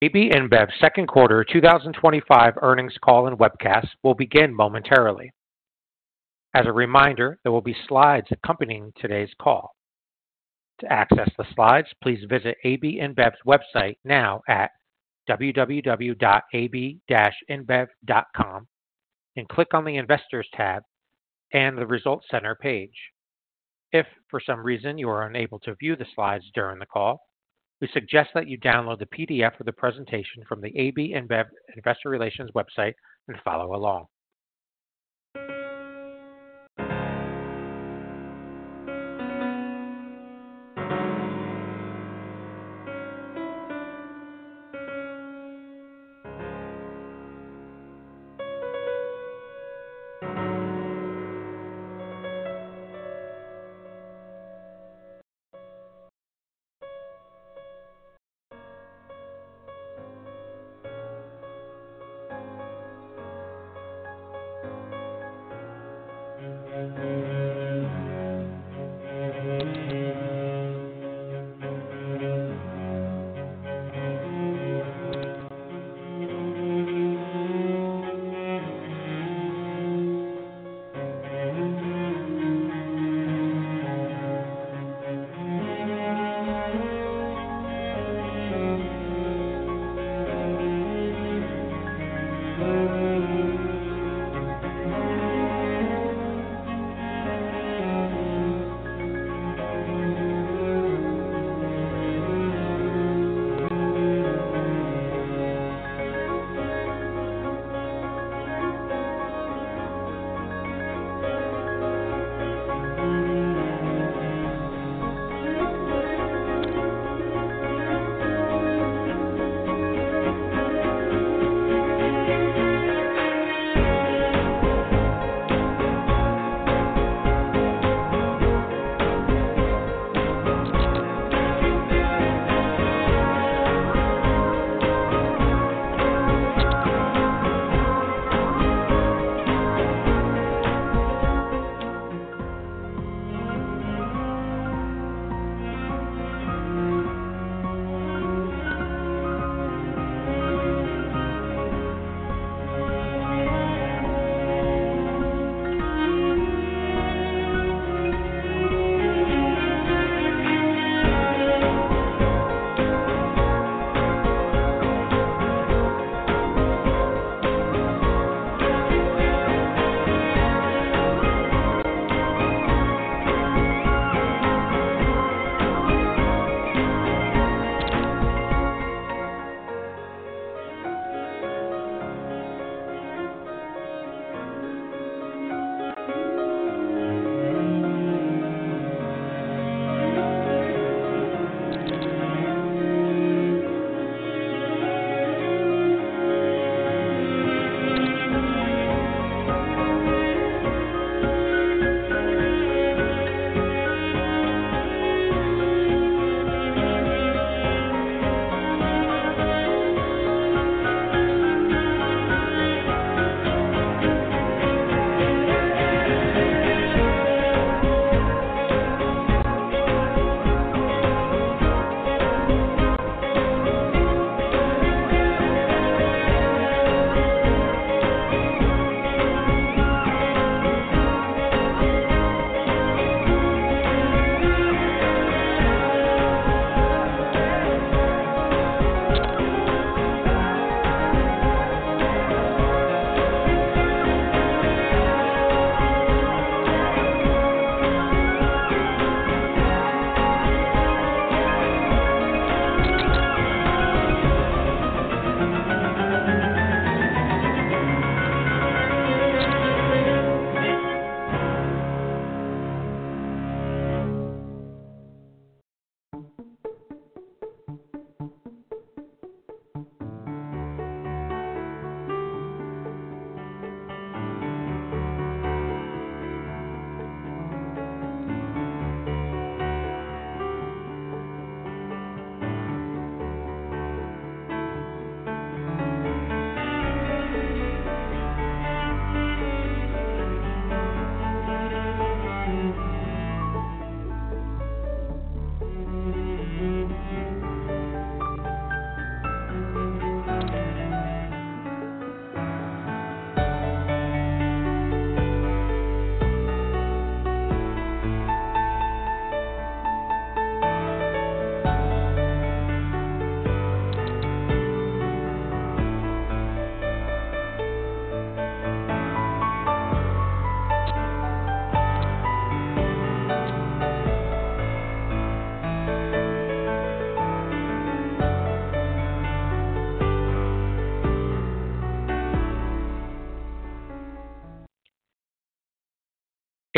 AB InBev Second Quarter 2025 Earnings Call and Webcast will begin momentarily. As a reminder, there will be slides accompanying today's call. To access the slides, please visit AB InBev's website now at www.ab-inbev.com and click on the Investors tab and the Results Center page. If, for some reason, you are unable to view the slides during the call, we suggest that you download the PDF of the presentation from the AB InBev Investor Relations website and follow along.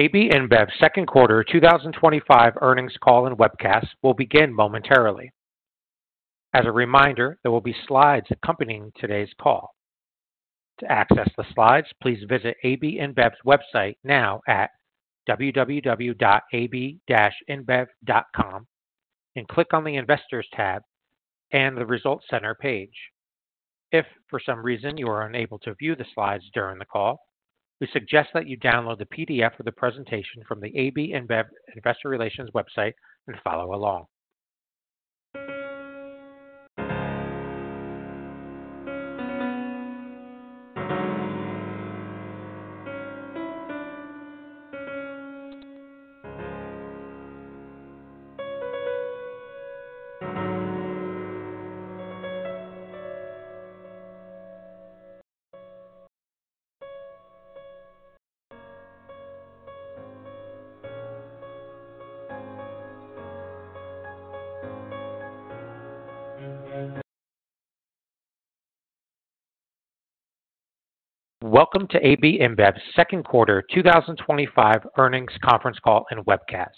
AB InBev Second Quarter 2025 Earnings Call and Webcast will begin momentarily. As a reminder, there will be slides accompanying today's call. To access the slides, please visit AB InBev's website now at www.ab-inbev.com and click on the Investors tab and the Results Center page. If, for some reason, you are unable to view the slides during the call, we suggest that you download the PDF of the presentation from the AB InBev Investor Relations website and follow along. Welcome to AB InBev Second Quarter 2025 Earnings Conference Call and Webcast.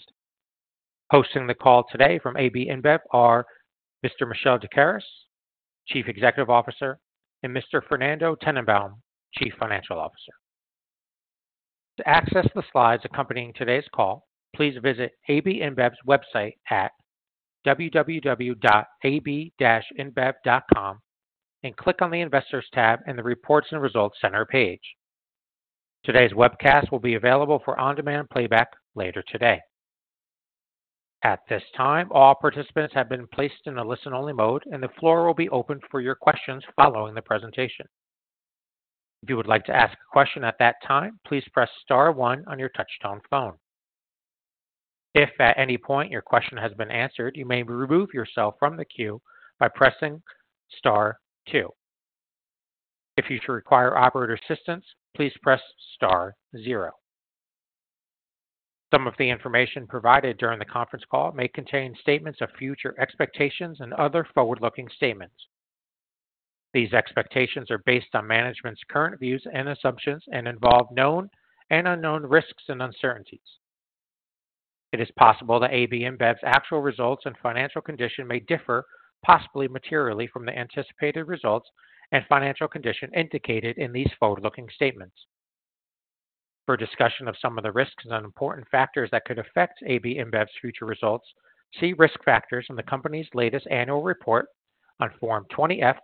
Hosting the call today from AB InBev are Mr. Michel Doukeris, Chief Executive Officer, and Mr. Fernando Tennenbaum, Chief Financial Officer. To access the slides accompanying today's call, please visit AB InBev's website at www.ab-inbev.com and click on the Investors tab and the Results Center page. Today's webcast will be available for on-demand playback later today. At this time, all participants have been placed in the listen-only mode, and the floor will be open for your questions following the presentation. If you would like to ask a question at that time, please press Star 1 on your touch-tone phone. If, at any point, your question has been answered, you may remove yourself from the queue by pressing Star 2. If you should require operator assistance, please press Star 0. Some of the information provided during the conference call may contain statements of future expectations and other forward-looking statements. These expectations are based on management's current views and assumptions and involve known and unknown risks and uncertainties. It is possible that AB InBev's actual results and financial condition may differ, possibly materially, from the anticipated results and financial condition indicated in these forward-looking statements. For discussion of some of the risks and important factors that could affect AB InBev's future results, see risk factors in the company's latest annual report on Form 20-F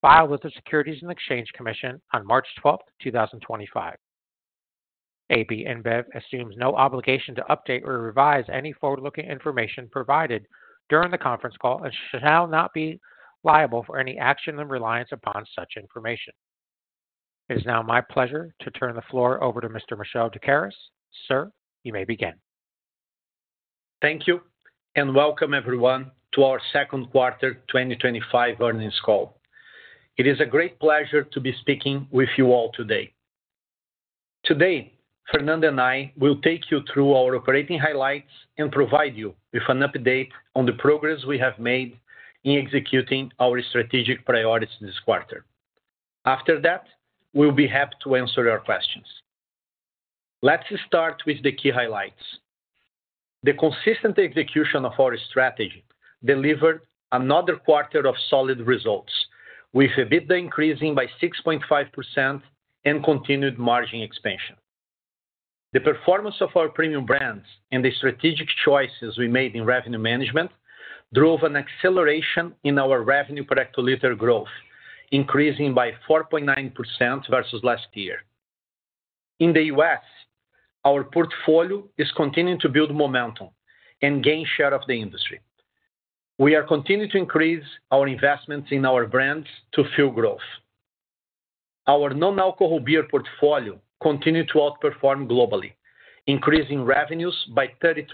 filed with the Securities and Exchange Commission on March 12, 2025. AB InBev assumes no obligation to update or revise any forward-looking information provided during the conference call and shall not be liable for any action reliance upon such information. It is now my pleasure to turn the floor over to Mr. Michel Doukeris. Sir, you may begin. Thank you, and welcome, everyone, to our Second Quarter 2025 Earnings Call. It is a great pleasure to be speaking with you all today. Today, Fernando and I will take you through our operating highlights and provide you with an update on the progress we have made in executing our strategic priorities this quarter. After that, we'll be happy to answer your questions. Let's start with the key highlights. The consistent execution of our strategy delivered another quarter of solid results, with EBITDA increasing by 6.5% and continued margin expansion. The performance of our premium brands and the strategic choices we made in revenue management drove an acceleration in our revenue per hectoliter growth, increasing by 4.9% versus last year. In the U.S., our portfolio is continuing to build momentum and gain share of the industry. We are continuing to increase our investments in our brands to fuel growth. Our non-alcohol beer portfolio continued to outperform globally, increasing revenues by 33%.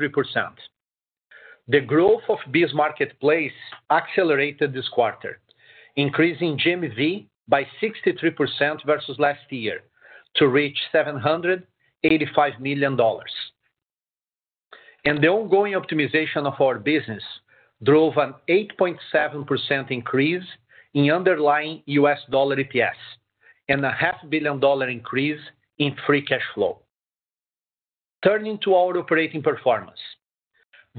The growth of BizMarketplace accelerated this quarter, increasing gross merchandising value by 63% versus last year to reach $785 million. The ongoing optimization of our business drove an 8.7% increase in underlying U.S. dollar EPS and a half-billion dollar increase in free cash flow. Turning to our operating performance,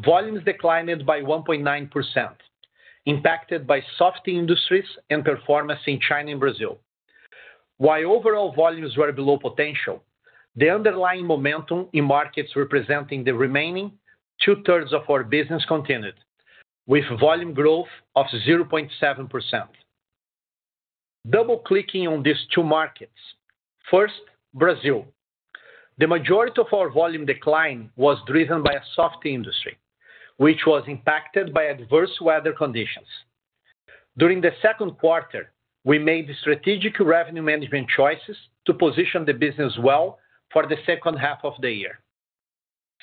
volumes declined by 1.9%, impacted by soft industries and performance in China and Brazil. While overall volumes were below potential, the underlying momentum in markets representing the remaining two-thirds of our business continued, with volume growth of 0.7%. Double-clicking on these two markets, first, Brazil. The majority of our volume decline was driven by a soft industry, which was impacted by adverse weather conditions. During the second quarter, we made strategic revenue management choices to position the business well for the second half of the year.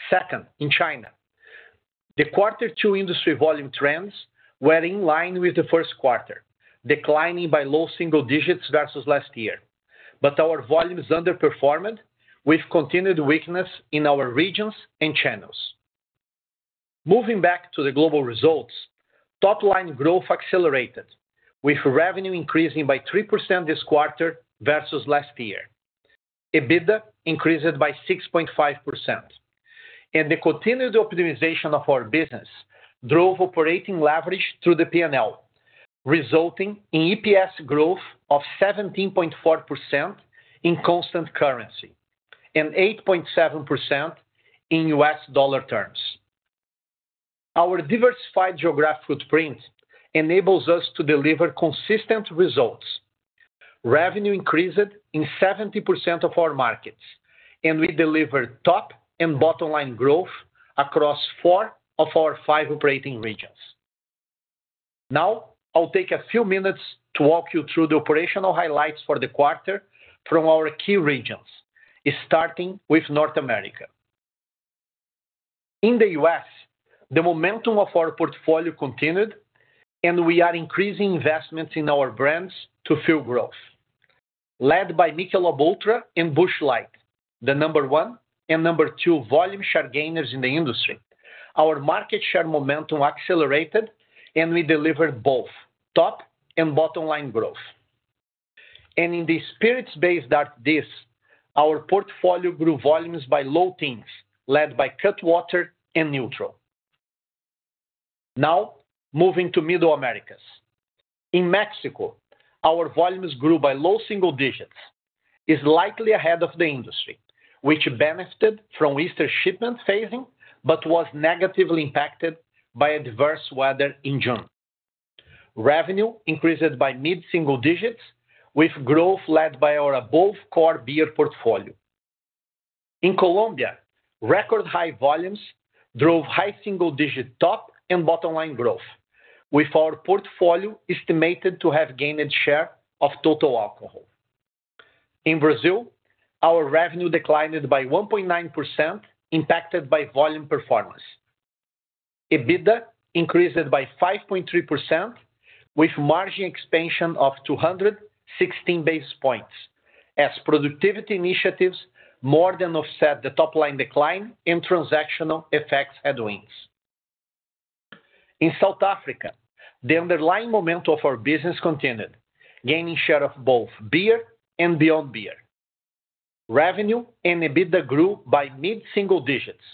Second, in China, the quarter two industry volume trends were in line with the first quarter, declining by low single digits versus last year. Our volumes underperformed, with continued weakness in our regions and channels. Moving back to the global results, top-line growth accelerated, with revenue increasing by 3% this quarter versus last year. EBITDA increased by 6.5%, and the continued optimization of our business drove operating leverage through the P&L, resulting in EPS growth of 17.4% in constant currency and 8.7% in U.S. dollar terms. Our diversified geographic footprint enables us to deliver consistent results. Revenue increased in 70% of our markets, and we delivered top and bottom-line growth across four of our five operating regions. Now, I'll take a few minutes to walk you through the operational highlights for the quarter from our key regions, starting with North America. In the U.S., the momentum of our portfolio continued, and we are increasing investments in our brands to fuel growth. Led by Michelob ULTRA and Busch Light, the number one and number two volume share gainers in the industry, our market share momentum accelerated, and we delivered both top and bottom-line growth. In the spirits-based RTDs, our portfolio grew volumes by low teens, led by Cutwater and NÜTRL. Now, moving to Middle Americas. In Mexico, our volumes grew by low single digits, slightly ahead of the industry, which benefited from Easter shipment phasing but was negatively impacted by adverse weather in June. Revenue increased by mid-single digits, with growth led by our above-core beer portfolio. In Colombia, record-high volumes drove high single-digit top and bottom-line growth, with our portfolio estimated to have gained share of total alcohol. In Brazil, our revenue declined by 1.9%, impacted by volume performance. EBITDA increased by 5.3%, with margin expansion of 216 basis points, as productivity initiatives more than offset the top-line decline and transactional effects at winds. In South Africa, the underlying momentum of our business continued, gaining share of both beer and beyond beer. Revenue and EBITDA grew by mid-single digits,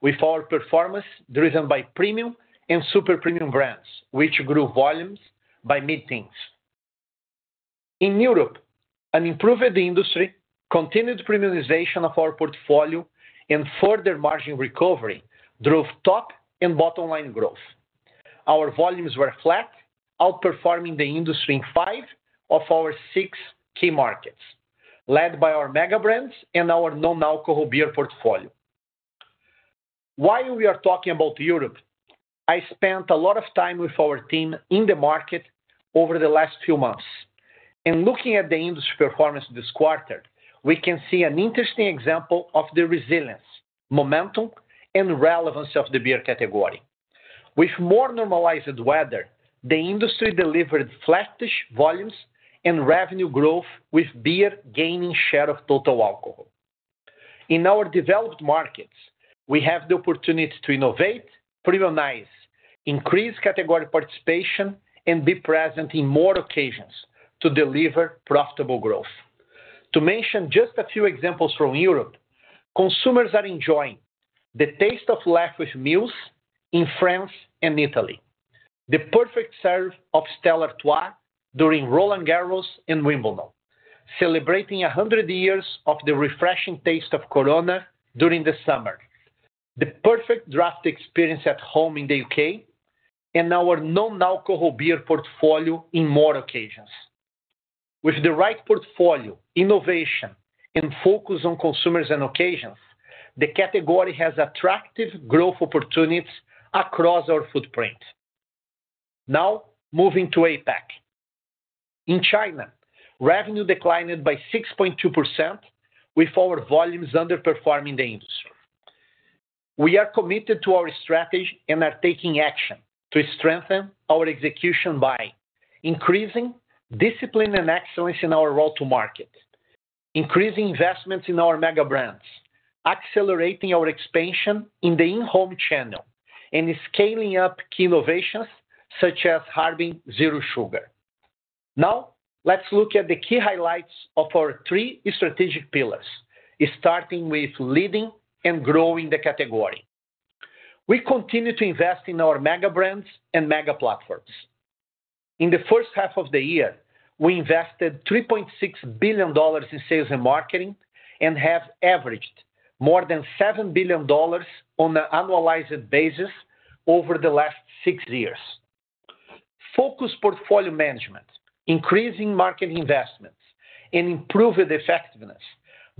with our performance driven by premium and super premium brands, which grew volumes by mid-teens. In Europe, an improved industry, continued premiumization of our portfolio, and further margin recovery drove top and bottom-line growth. Our volumes were flat, outperforming the industry in five of our six key markets, led by our megabrands and our non-alcohol beer portfolio. While we are talking about Europe, I spent a lot of time with our team in the market over the last few months. Looking at the industry performance this quarter, we can see an interesting example of the resilience, momentum, and relevance of the beer category. With more normalized weather, the industry delivered flattish volumes and revenue growth, with beer gaining share of total alcohol. In our developed markets, we have the opportunity to innovate, premiumize, increase category participation, and be present in more occasions to deliver profitable growth. To mention just a few examples from Europe, consumers are enjoying the taste of life with meals in France and Italy, the perfect serve of Stella Artois during Roland Garros and Wimbledon, celebrating 100 years of the refreshing taste of Corona during the summer, the perfect draft experience at home in the UK, and our non-alcohol beer portfolio in more occasions. With the right portfolio, innovation, and focus on consumers and occasions, the category has attractive growth opportunities across our footprint. Now, moving to APAC. In China, revenue declined by 6.2%, with our volumes underperforming the industry. We are committed to our strategy and are taking action to strengthen our execution by increasing discipline and excellence in our road to market, increasing investments in our megabrands, accelerating our expansion in the in-home channel, and scaling up key innovations such as having zero sugar. Now, let's look at the key highlights of our three strategic pillars, starting with leading and growing the category. We continue to invest in our megabrands and mega platforms. In the first half of the year, we invested $3.6 billion in sales and marketing and have averaged more than $7 billion on an annualized basis over the last six years. Focused portfolio management, increasing market investments, and improved effectiveness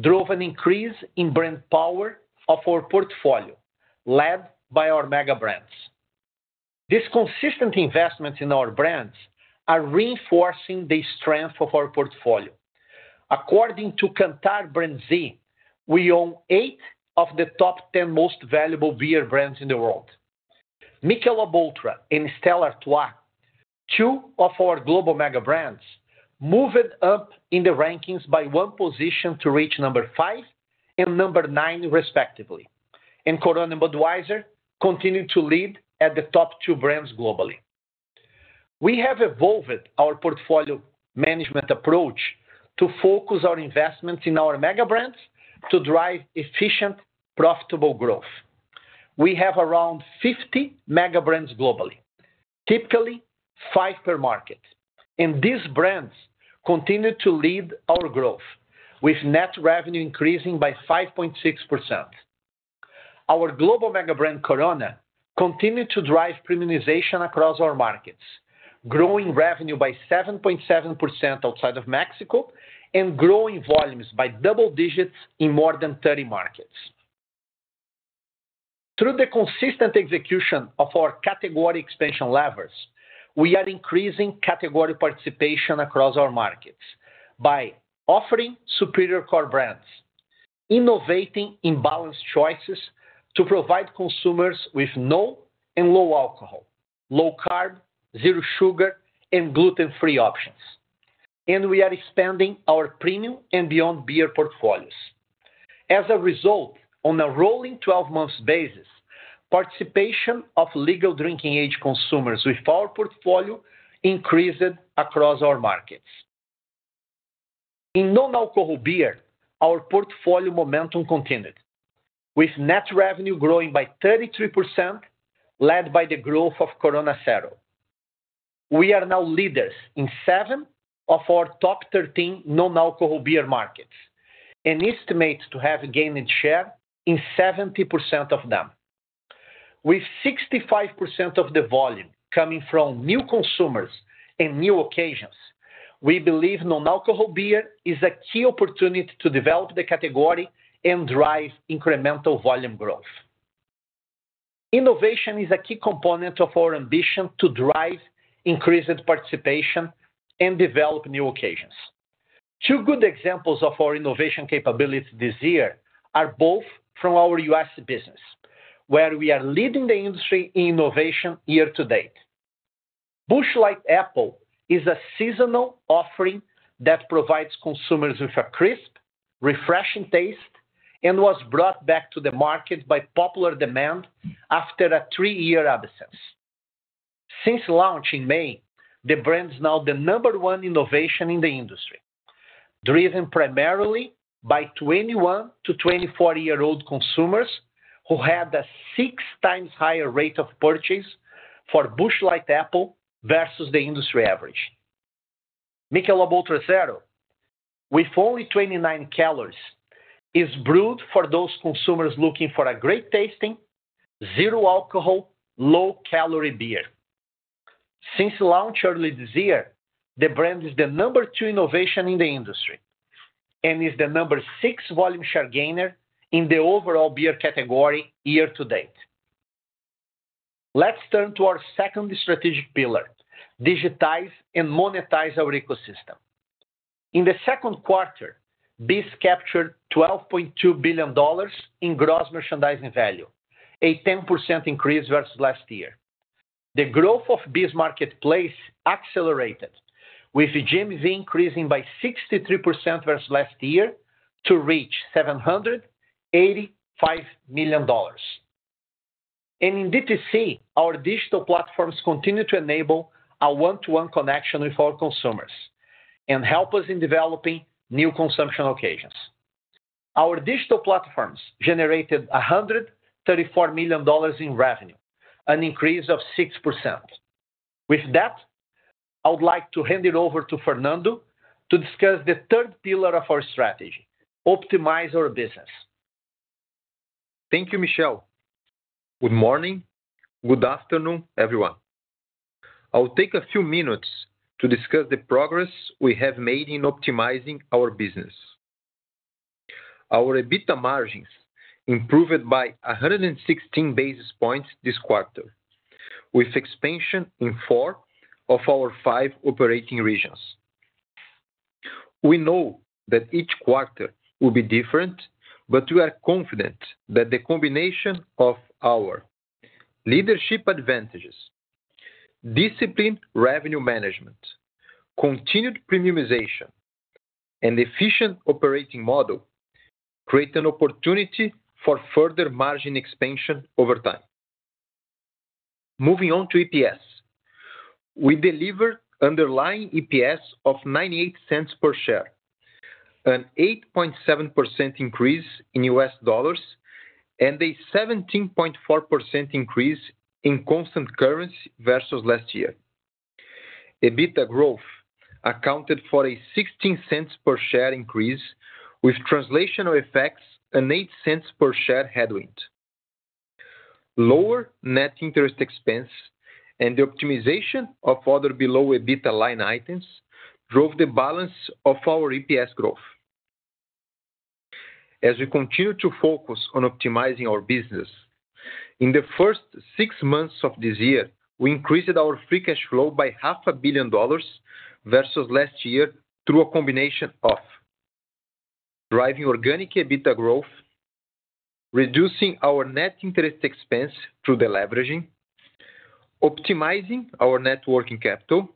drove an increase in brand power of our portfolio, led by our megabrands. These consistent investments in our brands are reinforcing the strength of our portfolio. According to Kantar BrandZ, we own eight of the top 10 most valuable beer brands in the Michelob ULTRA and Stella Artois, two of our global megabrands, moved up in the rankings by one position to reach number five and number nine, respectively. Corona and Budweiser continued to lead at the top two brands globally. We have evolved our portfolio management approach to focus our investments in our megabrands to drive efficient, profitable growth. We have around 50 megabrands globally, typically five per market. These brands continue to lead our growth, with net revenue increasing by 5.6%. Our global megabrand, Corona, continued to drive premiumization across our markets, growing revenue by 7.7% outside of Mexico and growing volumes by double digits in more than 30 markets. Through the consistent execution of our category expansion levers, we are increasing category participation across our markets by offering superior core brands, innovating in balanced choices to provide consumers with no and low alcohol, low-carb, zero sugar, and gluten-free options. We are expanding our premium and beyond beer portfolios. As a result, on a rolling 12-month basis, participation of legal drinking age consumers with our portfolio increased across our markets. In non-alcohol beer, our portfolio momentum continued, with net revenue growing by 33%, led by the growth of Corona Cero. We are now leaders in seven of our top 13 non-alcohol beer markets and estimate to have gained share in 70% of them. With 65% of the volume coming from new consumers and new occasions, we believe non-alcohol beer is a key opportunity to develop the category and drive incremental volume growth. Innovation is a key component of our ambition to drive increased participation and develop new occasions. Two good examples of our innovation capabilities this year are both from our U.S. business, where we are leading the industry in innovation year to date. Busch Light Apple is a seasonal offering that provides consumers with a crisp, refreshing taste and was brought back to the market by popular demand after a three-year absence. Since launch in May, the brand is now the number one innovation in the industry, driven primarily by 21 to 24-year-old consumers who had a six-times higher rate of purchase for Busch Light Apple versus the industry average. Michelob ULTRA Zero, with only 29 calories, is brewed for those consumers looking for a great tasting, zero alcohol, low-calorie beer. Since launch early this year, the brand is the number two innovation in the industry and is the number six volume share gainer in the overall beer category year to date. Let's turn to our second strategic pillar, digitize and monetize our ecosystem. In the second quarter, Biz captured $12.2 billion in gross merchandising value, a 10% increase versus last year. The growth of BizMarketplace accelerated, with GMV increasing by 63% versus last year to reach $785 million. In DTC, our digital platforms continue to enable a one-to-one connection with our consumers and help us in developing new consumption occasions. Our digital platforms generated $134 million in revenue, an increase of 6%. With that. I would like to hand it over to Fernando to discuss the third pillar of our strategy, optimize our business. Thank you, Michel. Good morning. Good afternoon, everyone. I'll take a few minutes to discuss the progress we have made in optimizing our business. Our EBITDA margins improved by 116 basis points this quarter, with expansion in four of our five operating regions. We know that each quarter will be different, but we are confident that the combination of our leadership advantages, disciplined revenue management, continued premiumization, and efficient operating model create an opportunity for further margin expansion over time. Moving on to EPS, we delivered underlying EPS of $0.98 per share, an 8.7% increase in U.S. dollars and a 17.4% increase in constant currency versus last year. EBITDA growth accounted for a $0.16 per share increase, with translational effects an $0.08 per share headwind. Lower net interest expense and the optimization of other below EBITDA line items drove the balance of our EPS growth as we continue to focus on optimizing our business. In the first six months of this year, we increased our free cash flow by $0.5 billion versus last year through a combination of driving organic EBITDA growth, reducing our net interest expense through deleveraging, optimizing our net working capital,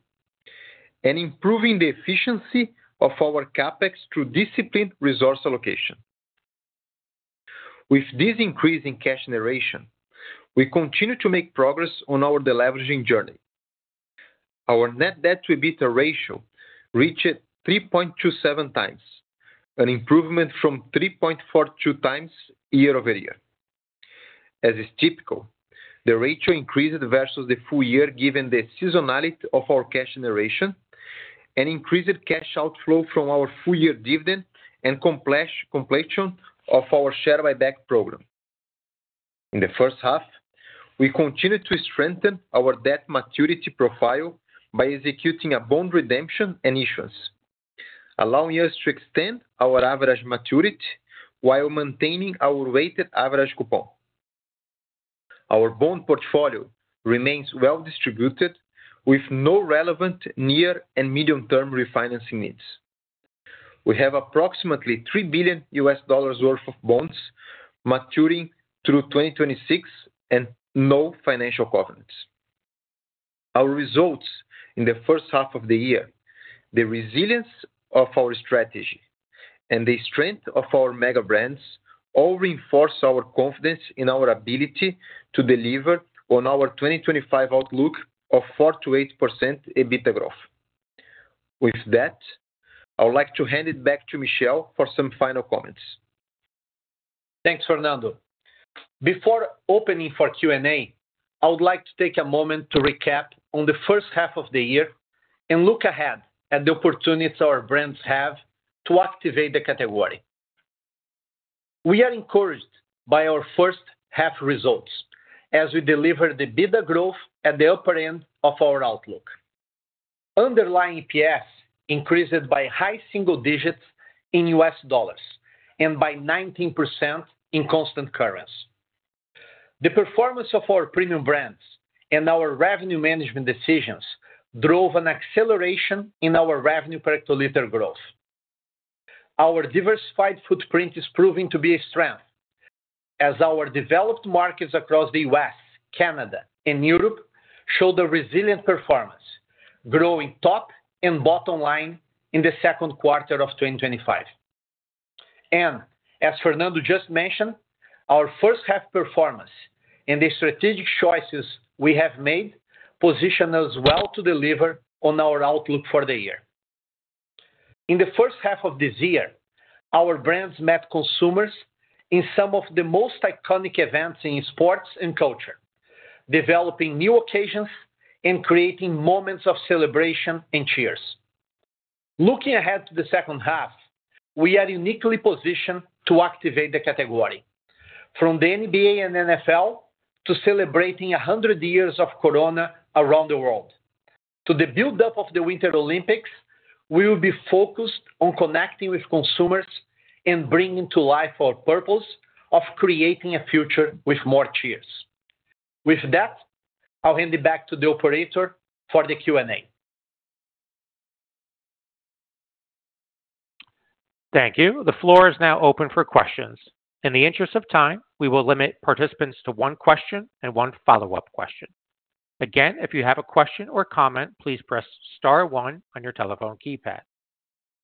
and improving the efficiency of our CapEx through disciplined resource allocation. With this increase in cash generation, we continue to make progress on our deleveraging journey. Our net debt to EBITDA ratio reached 3.27x, an improvement from 3.42x year-over-year. As is typical, the ratio increased versus the full year given the seasonality of our cash generation and increased cash outflow from our full-year dividend and completion of our share buyback program. In the first half, we continued to strengthen our debt maturity profile by executing a bond redemption and issuance, allowing us to extend our average maturity while maintaining our weighted average coupon. Our bond portfolio remains well-distributed, with no relevant near and medium-term refinancing needs. We have approximately $3 billion worth of bonds maturing through 2026 and no financial covenants. Our results in the first half of the year, the resilience of our strategy, and the strength of our megabrands all reinforce our confidence in our ability to deliver on our 2025 outlook of 4%-8% EBITDA growth. With that, I would like to hand it back to Michel for some final comments. Thanks, Fernando. Before opening for Q&A, I would like to take a moment to recap on the first half of the year and look ahead at the opportunities our brands have to activate the category. We are encouraged by our first half results as we deliver the EBITDA growth at the upper end of our outlook. Underlying EPS increased by high single digits in U.S. dollars and by 19% in constant currency. The performance of our premium brands and our revenue management decisions drove an acceleration in our revenue per hectoliter growth. Our diversified footprint is proving to be a strength. Our developed markets across the U.S., Canada, and Europe showed a resilient performance, growing top and bottom line in the second quarter of 2025. As Fernando just mentioned, our first-half performance and the strategic choices we have made position us well to deliver on our outlook for the year. In the first half of this year, our brands met consumers in some of the most iconic events in sports and culture, developing new occasions and creating moments of celebration and cheers. Looking ahead to the second half, we are uniquely positioned to activate the category. From the NBA and NFL to celebrating 100 years of Corona around the world, to the buildup of the Winter Olympics, we will be focused on connecting with consumers and bringing to life our purpose of creating a future with more cheers. With that, I'll hand it back to the operator for the Q&A. Thank you. The floor is now open for questions. In the interest of time, we will limit participants to one question and one follow-up question. Again, if you have a question or comment, please press Star 1 on your telephone keypad.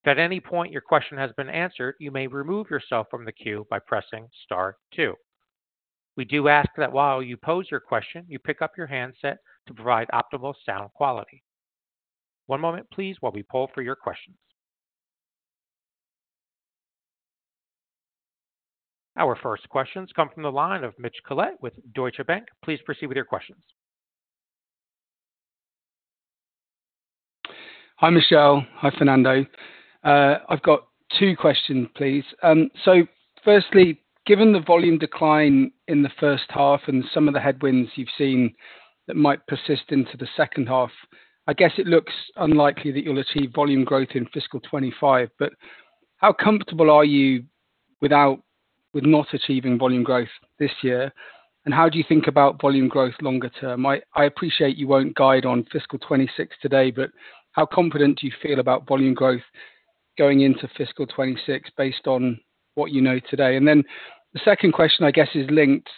If at any point your question has been answered, you may remove yourself from the queue by pressing Star 2. We do ask that while you pose your question, you pick up your handset to provide optimal sound quality. One moment, please, while we poll for your questions. Our first questions come from the line of Mitch Collett with Deutsche Bank. Please proceed with your questions. Hi, Michel. Hi, Fernando. I've got two questions, please. Firstly, given the volume decline in the first half and some of the headwinds you've seen that might persist into the second half, I guess it looks unlikely that you'll achieve volume growth in fiscal 2025. How comfortable are you without not achieving volume growth this year? How do you think about volume growth longer term? I appreciate you won't guide on fiscal 2026 today, but how confident do you feel about volume growth going into fiscal 2026 based on what you know today? The second question, I guess, is linked.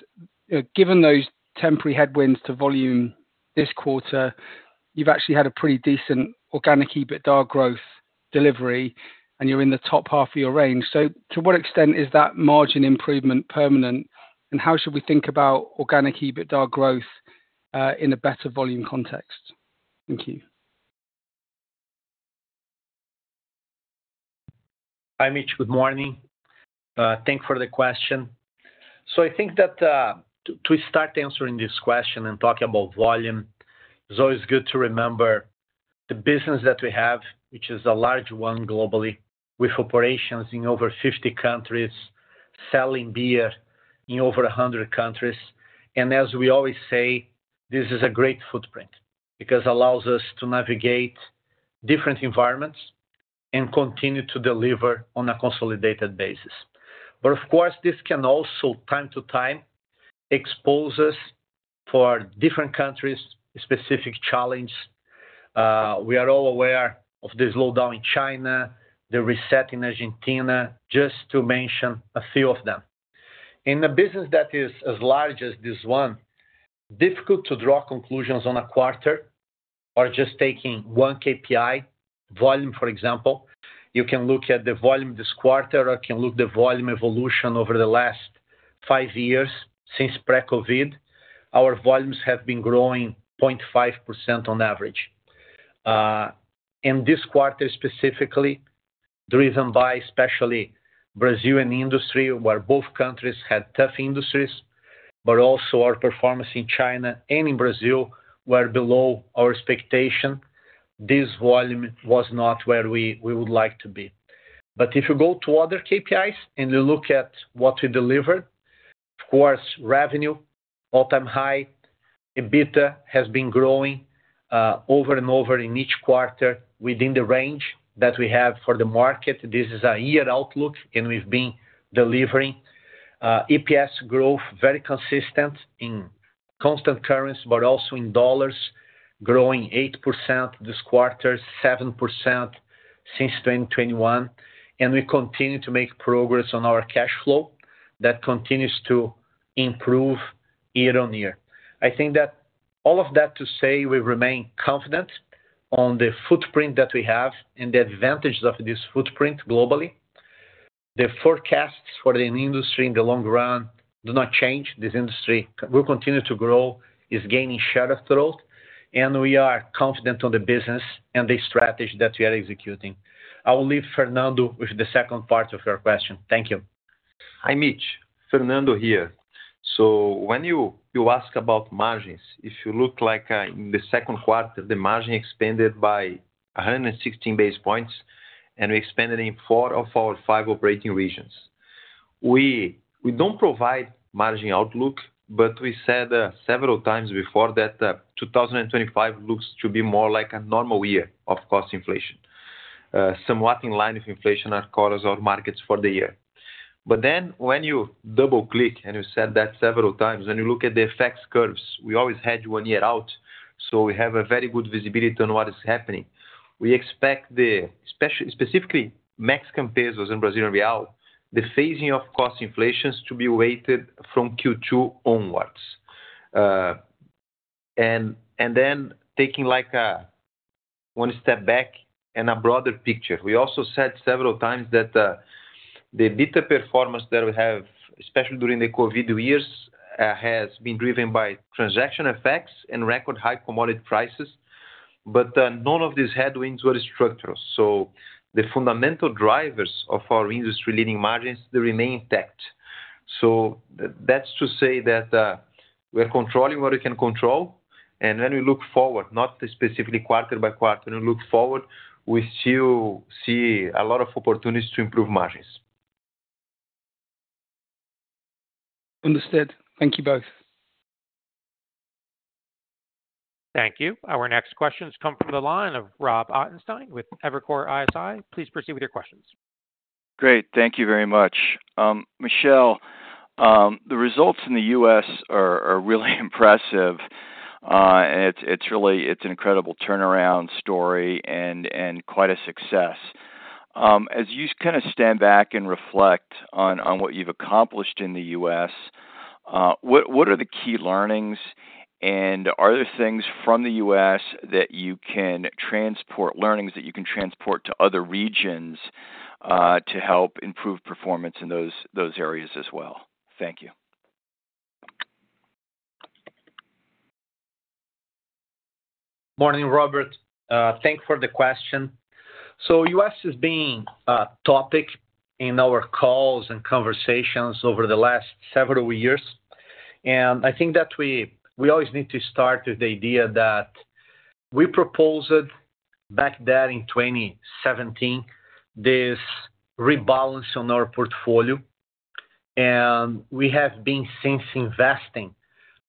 Given those temporary headwinds to volume this quarter, you've actually had a pretty decent organic EBITDA growth delivery, and you're in the top half of your range. To what extent is that margin improvement permanent? How should we think about organic EBITDA growth in a better volume context? Thank you. Hi, Mitch. Good morning. Thanks for the question. I think that to start answering this question and talking about volume, it's always good to remember the business that we have, which is a large one globally, with operations in over 50 countries, selling beer in over 100 countries. As we always say, this is a great footprint because it allows us to navigate different environments and continue to deliver on a consolidated basis. Of course, this can also, from time to time, expose us to different country-specific challenges. We are all aware of the slowdown in China, the reset in Argentina, just to mention a few of them. In a business that is as large as this one, it's difficult to draw conclusions on a quarter or just taking one KPI, volume, for example. You can look at the volume this quarter or look at the volume evolution over the last five years since pre-COVID. Our volumes have been growing 0.5% on average. In this quarter specifically, driven by especially Brazilian industry, where both countries had tough industries, but also our performance in China and in Brazil were below our expectation. This volume was not where we would like to be. If you go to other KPIs and you look at what we delivered, revenue, all-time high, EBITDA has been growing over and over in each quarter within the range that we have for the market. This is a year outlook, and we've been delivering. EPS growth very consistent in constant currency, but also in dollars, growing 8% this quarter, 7% since 2021. We continue to make progress on our cash flow that continues to improve year on year. I think that all of that to say, we remain confident on the footprint that we have and the advantages of this footprint globally. The forecasts for the industry in the long run do not change. This industry will continue to grow, is gaining share of growth, and we are confident on the business and the strategy that we are executing. I will leave Fernando with the second part of your question. Thank you. Hi, Mitch. Fernando here. When you ask about margins, if you look in the second quarter, the margin expanded by 116 basis points, and we expanded in four of our five operating regions. We don't provide margin outlook, but we said several times before that 2025 looks to be more like a normal year of cost inflation, somewhat in line with inflation across our markets for the year. When you double-click and you said that several times, when you look at the effects curves, we always had one year out, so we have very good visibility on what is happening. We expect specifically Mexican pesos and Brazilian real, the phasing of cost inflations to be weighted from Q2 onwards. Taking one step back and a broader picture, we also said several times that the EBITDA performance that we have, especially during the COVID years, has been driven by transaction effects and record high commodity prices, but none of these headwinds were structural. The fundamental drivers of our industry leading margins remain intact. That is to say that we're controlling what we can control. When we look forward, not specifically quarter by quarter, when we look forward, we still see a lot of opportunities to improve margins. Understood. Thank you both. Thank you. Our next questions come from the line of Rob Ottenstein with Evercore ISI. Please proceed with your questions. Great. Thank you very much. Michel. The results in the U.S. are really impressive. It's an incredible turnaround story and quite a success. As you stand back and reflect on what you've accomplished in the U.S., what are the key learnings? Are there things from the U.S. that you can transport, learnings that you can transport to other regions to help improve performance in those areas as well? Thank you. Morning, Robert. Thanks for the question. U.S. has been a topic in our calls and conversations over the last several years. I think that we always need to start with the idea that we proposed back then in 2017, this rebalance on our portfolio. We have been since investing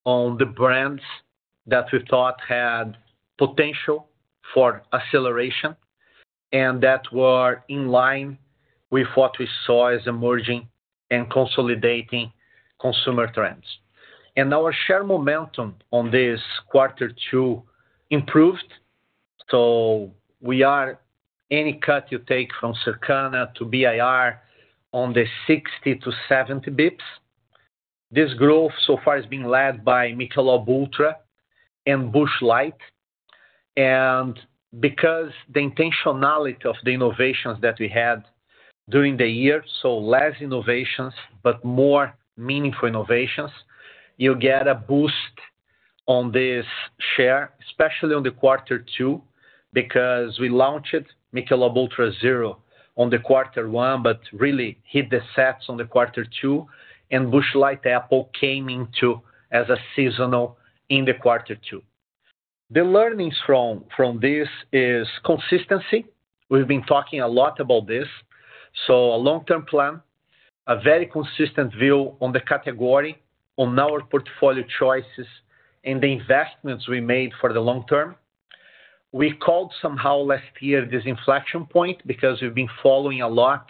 on the brands that we thought had potential for acceleration and that were in line with what we saw as emerging and consolidating consumer trends. Our share momentum in quarter two improved. Any cut you take from Circana to BIR on the 60 to 70 bps. This growth so far has been led by Michelob ULTRA and Busch Light. Because of the intentionality of the innovations that we had during the year, less innovations but more meaningful innovations, you get a boost on this share, especially in quarter two because we launched Michelob ULTRA Zero in quarter one, but it really hit the sets in quarter two. Busch Light Apple came in as a seasonal in quarter two. The learnings from this are consistency. We've been talking a lot about this. A long-term plan, a very consistent view on the category, on our portfolio choices, and the investments we made for the long term. We called somehow last year this inflection point because we've been following a lot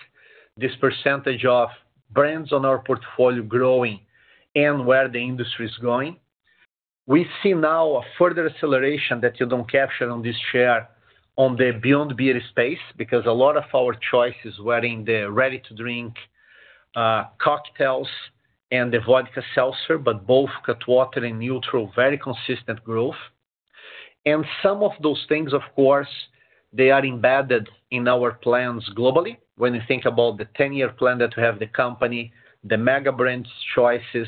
this percentage of brands in our portfolio growing and where the industry is going. We see now a further acceleration that you don't capture on this share in the beyond beer space because a lot of our choices were in the ready-to-drink. Cocktails and the vodka seltzer, but both Cutwater and NÜTRL, very consistent growth. Some of those things, of course, are embedded in our plans globally. When you think about the 10-year plan that we have for the company, the megabrand choices,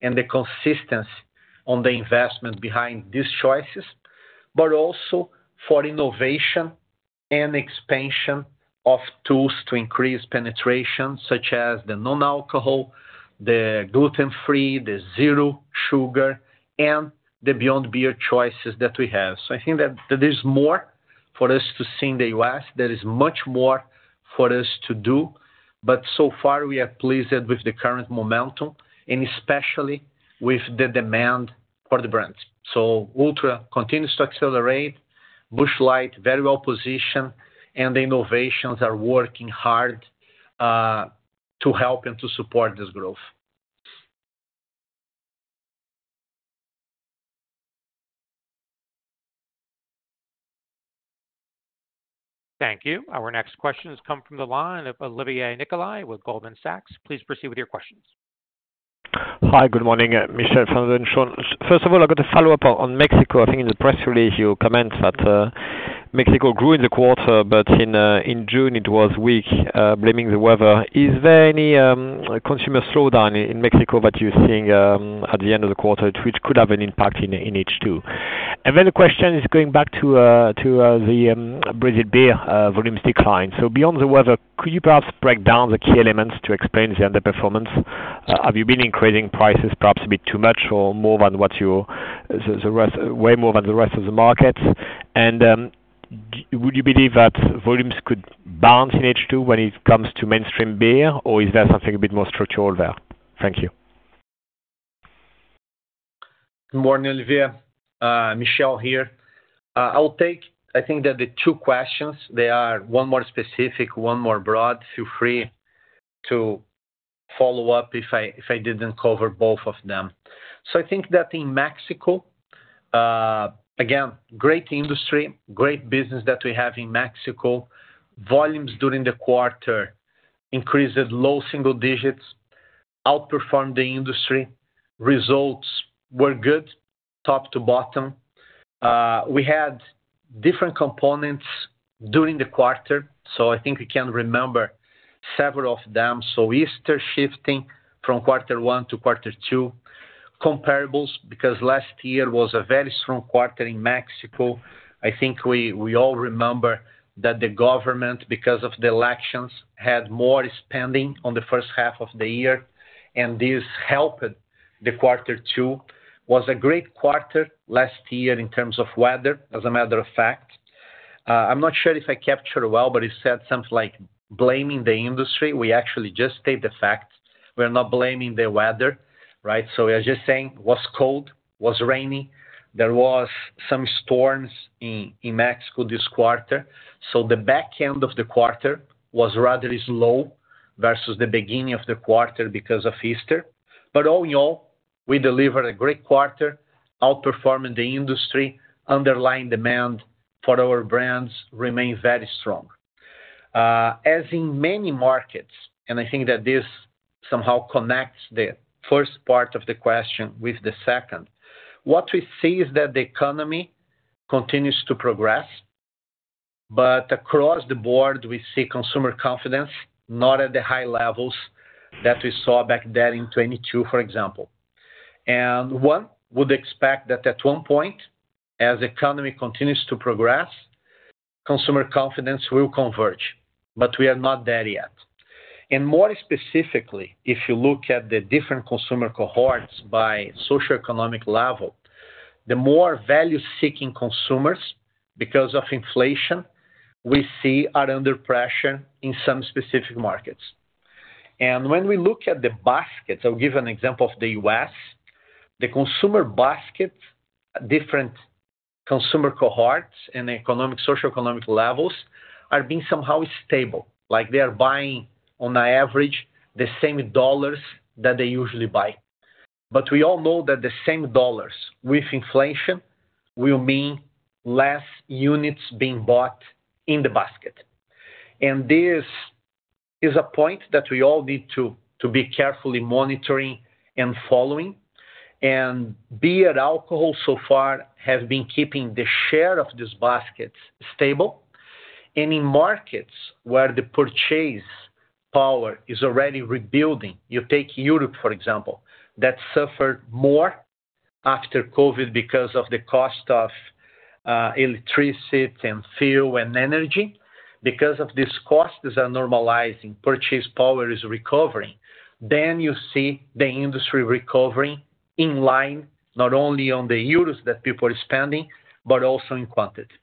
and the consistency on the investment behind these choices, but also for innovation and expansion of tools to increase penetration, such as the non-alcohol, the gluten-free, the zero sugar, and the beyond beer choices that we have. I think that there's more for us to see in the US. There is much more for us to do. So far, we are pleased with the current momentum and especially with the demand for the brands. Ultra continues to accelerate, Busch Light very well positioned, and the innovations are working hard to help and to support this growth. Thank you. Our next questions come from the line of Olivier Nicolai with Goldman Sachs. Please proceed with your questions. Hi, good morning, Michel, Fernando. First of all, I've got a follow-up on Mexico. I think in the press release, you comment that Mexico grew in the quarter, but in June, it was weak, blaming the weather. Is there any consumer slowdown in Mexico that you're seeing at the end of the quarter, which could have an impact in H2? The question is going back to the Brazil beer volumes decline. Beyond the weather, could you perhaps break down the key elements to explain the underperformance? Have you been increasing prices perhaps a bit too much or more than the rest of the market? Would you believe that volumes could bounce in H2 when it comes to mainstream beer, or is there something a bit more structural there? Thank you. Good morning, Olivier. Michel here. I'll take, I think, the two questions. They are one more specific, one more broad. Feel free to follow up if I didn't cover both of them. In Mexico, again, great industry, great business that we have in Mexico. Volumes during the quarter increased at low single digits, outperformed the industry. Results were good, top to bottom. We had different components during the quarter. I think we can remember several of them. Easter shifting from quarter one to quarter two, comparables because last year was a very strong quarter in Mexico. I think we all remember that the government, because of the elections, had more spending on the first half of the year, and this helped quarter two. It was a great quarter last year in terms of weather, as a matter of fact. I'm not sure if I captured it well, but it said something like blaming the industry. We actually just state the fact. We're not blaming the weather, right? We are just saying it was cold, it was rainy. There were some storms in Mexico this quarter. The back end of the quarter was rather slow versus the beginning of the quarter because of Easter. All in all, we delivered a great quarter, outperforming the industry, underlying demand for our brands remained very strong. As in many markets, and I think that this somehow connects the first part of the question with the second, what we see is that the economy continues to progress. Across the board, we see consumer confidence not at the high levels that we saw back then in 2022, for example. One would expect that at one point, as the economy continues to progress, consumer confidence will converge, but we are not there yet. More specifically, if you look at the different consumer cohorts by socioeconomic level, the more value-seeking consumers, because of inflation, we see are under pressure in some specific markets. When we look at the baskets, I'll give an example of the US, the consumer basket. Different consumer cohorts and socioeconomic levels are being somehow stable. They are buying, on average, the same dollars that they usually buy. We all know that the same dollars, with inflation, will mean less units being bought in the basket. This is a point that we all need to be carefully monitoring and following. Beer alcohol so far has been keeping the share of these baskets stable. In markets where the purchase power is already rebuilding, you take Europe, for example, that suffered more after COVID because of the cost of electricity and fuel and energy. Because of these costs that are normalizing, purchase power is recovering. You see the industry recovering in line, not only on the euros that people are spending, but also in quantity.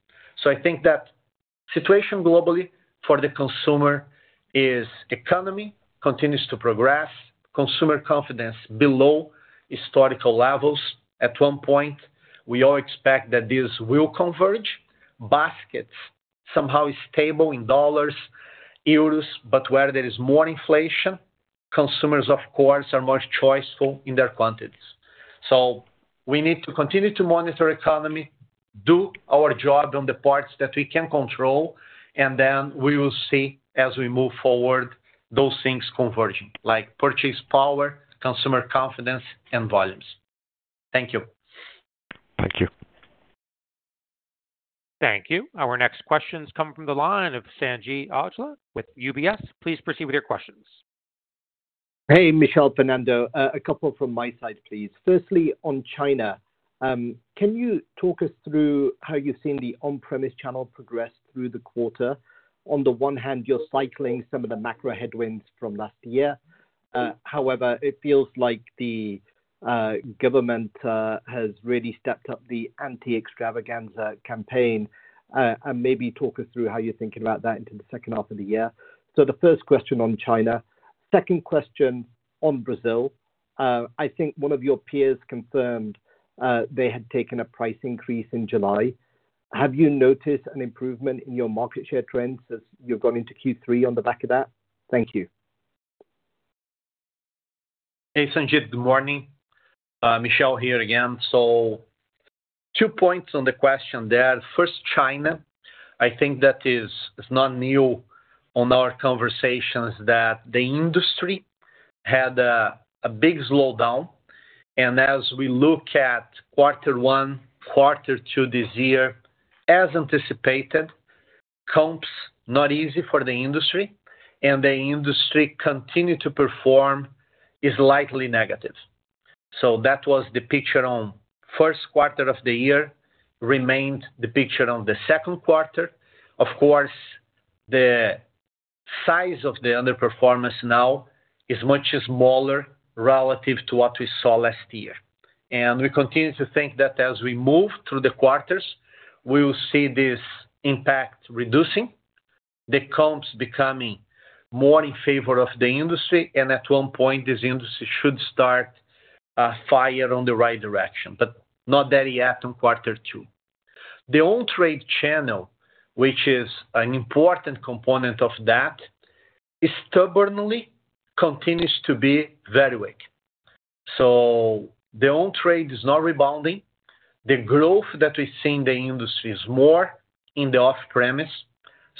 I think that situation globally for the consumer is economy continues to progress, consumer confidence below historical levels. At one point, we all expect that this will converge. Baskets somehow stable in dollars, euros, but where there is more inflation, consumers, of course, are more choiceful in their quantities. We need to continue to monitor the economy, do our job on the parts that we can control, and we will see as we move forward those things converging, like purchase power, consumer confidence, and volumes. Thank you. Thank you. Thank you. Our next questions come from the line of Sanjeet Aujla with UBS. Please proceed with your questions. Hey, Michel, Fernando, a couple from my side, please. Firstly, on China. Can you talk us through how you've seen the on-premise channel progress through the quarter? On the one hand, you're cycling some of the macro headwinds from last year. However, it feels like the government has really stepped up the anti-extravaganza campaign. Maybe talk us through how you're thinking about that into the second half of the year. The first question on China. Second question on Brazil. I think one of your peers confirmed they had taken a price increase in July. Have you noticed an improvement in your market share trends as you've gone into Q3 on the back of that? Thank you. Hey, Sanjeet, good morning. Michel here again. Two points on the question there. First, China. I think that is not new on our conversations that the industry had a big slowdown. As we look at quarter one, quarter two this year, as anticipated. Comps, not easy for the industry, and the industry continued to perform. Is slightly negative. That was the picture on first quarter of the year, remained the picture on the second quarter. Of course, the size of the underperformance now is much smaller relative to what we saw last year. We continue to think that as we move through the quarters, we will see this impact reducing, the comps becoming more in favor of the industry, and at one point, this industry should start to fire in the right direction, but not there yet in quarter two. The on-premise channel, which is an important component of that, stubbornly continues to be very weak. The on-premise is not rebounding. The growth that we see in the industry is more in the off-premise.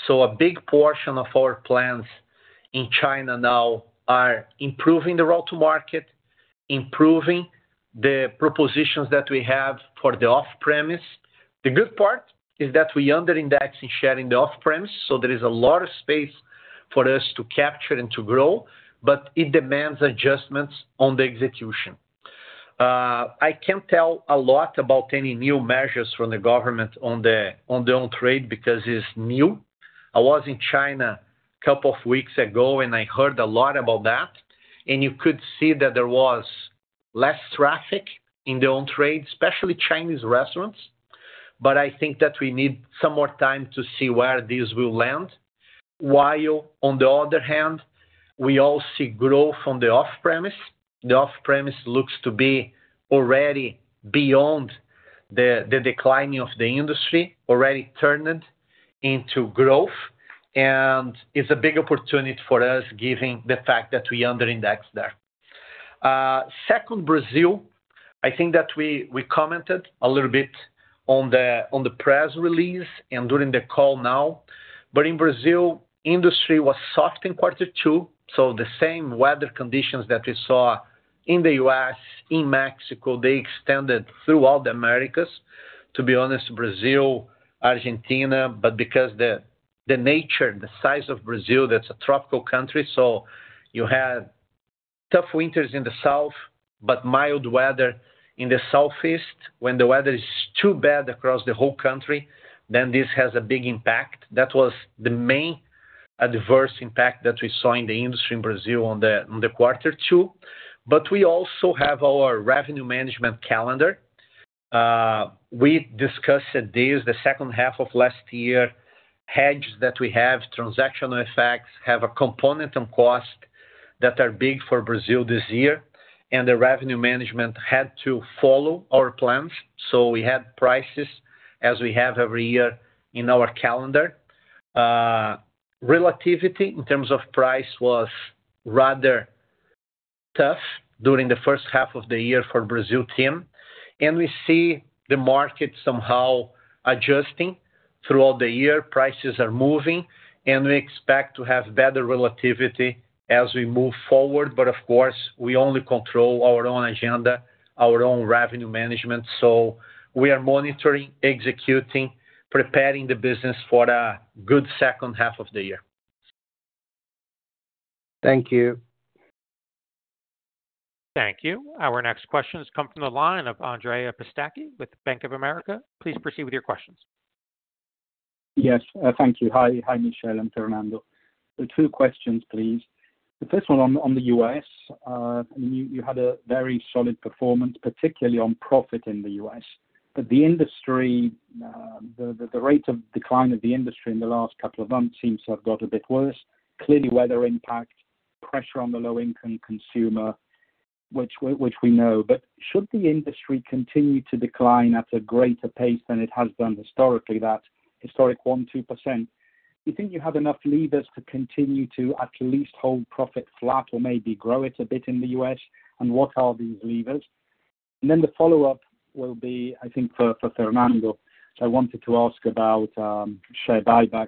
A big portion of our plans in China now are improving the route to market, improving the propositions that we have for the off-premise. The good part is that we under-index in share in the off-premise, so there is a lot of space for us to capture and to grow, but it demands adjustments on the execution. I can't tell a lot about any new measures from the government on the on-premise because it's new. I was in China a couple of weeks ago, and I heard a lot about that. You could see that there was less traffic in the on-premise, especially Chinese restaurants. I think that we need some more time to see where these will land. While, on the other hand, we all see growth on the off-premise. The off-premise looks to be already beyond the decline of the industry, already turned into growth, and it's a big opportunity for us given the fact that we under-index there. Second, Brazil. I think that we commented a little bit on the press release and during the call now. In Brazil, industry was soft in quarter two. The same weather conditions that we saw in the U.S., in Mexico, they extended throughout the Americas. To be honest, Brazil, Argentina, but because of the nature, the size of Brazil, that's a tropical country. You had tough winters in the south, but mild weather in the southeast. When the weather is too bad across the whole country, then this has a big impact. That was the main adverse impact that we saw in the industry in Brazil in quarter two. We also have our revenue management calendar. We discussed this, the second half of last year, hedges that we have, transactional effects, have a component on cost that are big for Brazil this year. The revenue management had to follow our plans. We had prices as we have every year in our calendar. Relativity in terms of price was rather tough during the first half of the year for the Brazil team. We see the market somehow adjusting throughout the year. Prices are moving, and we expect to have better relativity as we move forward. Of course, we only control our own agenda, our own revenue management. We are monitoring, executing, preparing the business for a good second half of the year. Thank you. Thank you. Our next questions come from the line of Andrea Pistacchi with Bank of America. Please proceed with your questions. Yes. Thank you. Hi, Michel and Fernando. Two questions, please. The first one on the U.S. You had a very solid performance, particularly on profit in the U.S. The industry, the rate of decline of the industry in the last couple of months seems to have got a bit worse. Clearly, weather impact, pressure on the low-income consumer, which we know. Should the industry continue to decline at a greater pace than it has done historically, that historic 1%, 2%, do you think you have enough levers to continue to at least hold profit flat or maybe grow it a bit in the U.S.? What are these levers? The follow-up will be, I think, for Fernando. I wanted to ask about share buybacks.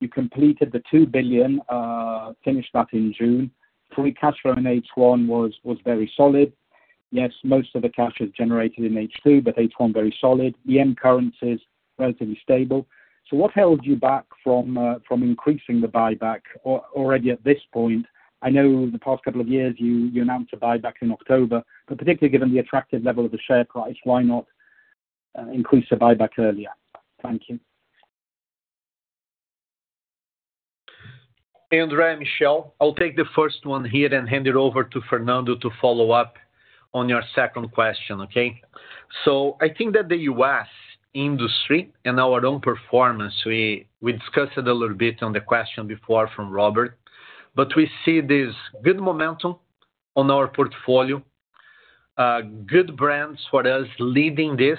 You completed the $2 billion, finished that in June. Free cash flow in H1 was very solid. Yes, most of the cash is generated in H2, but H1 very solid. EM currencies relatively stable. What held you back from increasing the buyback already at this point? I know the past couple of years you announced a buyback in October, but particularly given the attractive level of the share price, why not increase the buyback earlier? Thank you. Andrea, I'm Michel, I'll take the first one here and hand it over to Fernando to follow up on your second question, okay? I think that the U.S. industry and our own performance, we discussed it a little bit on the question before from Robert, but we see this good momentum on our portfolio. Good brands for us leading this.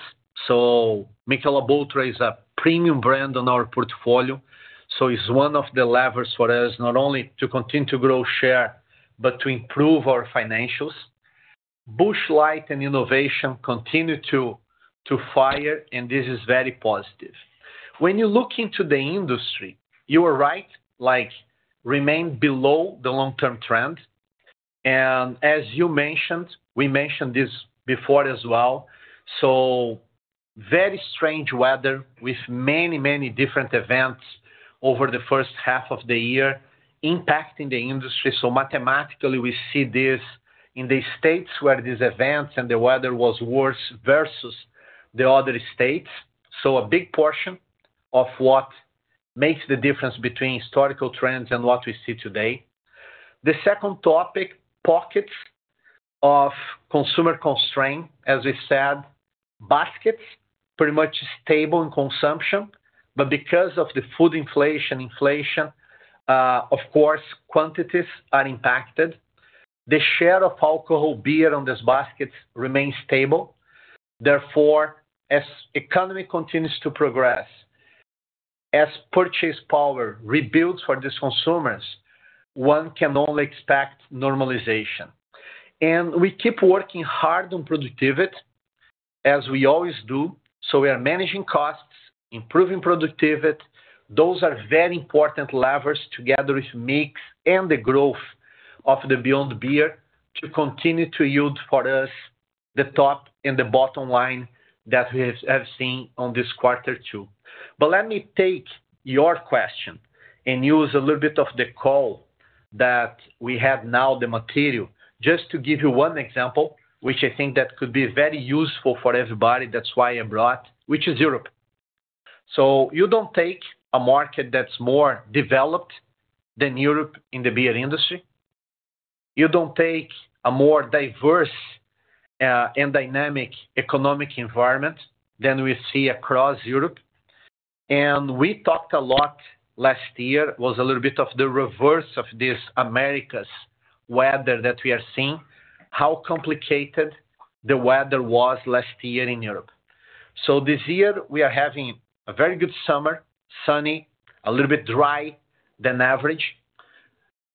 Michelob ULTRA is a premium brand on our portfolio. It is one of the levers for us not only to continue to grow share, but to improve our financials. Busch Light and innovation continue to fire, and this is very positive. When you look into the industry, you are right, remain below the long-term trend. As you mentioned, we mentioned this before as well. Very strange weather with many, many different events over the first half of the year impacting the industry. Mathematically, we see this in the states where these events and the weather was worse versus the other states. A big portion of what makes the difference between historical trends and what we see today is the second topic, pockets of consumer constraint. As we said, baskets are pretty much stable in consumption, but because of the food inflation, of course, quantities are impacted. The share of alcohol beer on these baskets remains stable. Therefore, as the economy continues to progress and as purchase power rebuilds for these consumers, one can only expect normalization. We keep working hard on productivity, as we always do. We are managing costs, improving productivity. Those are very important levers together with mix and the growth of the beyond beer to continue to yield for us the top and the bottom line that we have seen on this quarter two. Let me take your question and use a little bit of the call that we have now, the material, just to give you one example, which I think could be very useful for everybody. That's why I brought it, which is Europe. You don't take a market that's more developed than Europe in the beer industry. You don't take a more diverse and dynamic economic environment than we see across Europe. We talked a lot last year. It was a little bit of the reverse of this America's weather that we are seeing, how complicated the weather was last year in Europe. This year, we are having a very good summer, sunny, a little bit drier than average.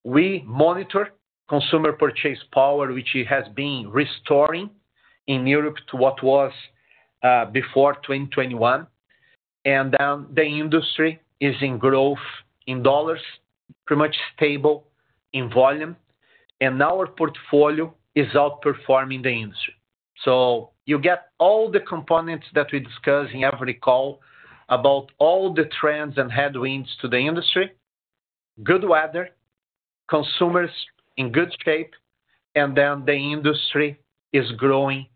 We monitor consumer purchase power, which has been restoring in Europe to what it was before 2021. The industry is in growth in dollars, pretty much stable in volume, and our portfolio is outperforming the industry. You get all the components that we discuss in every call about all the trends and headwinds to the industry: good weather, consumers in good shape, and then the industry is growing.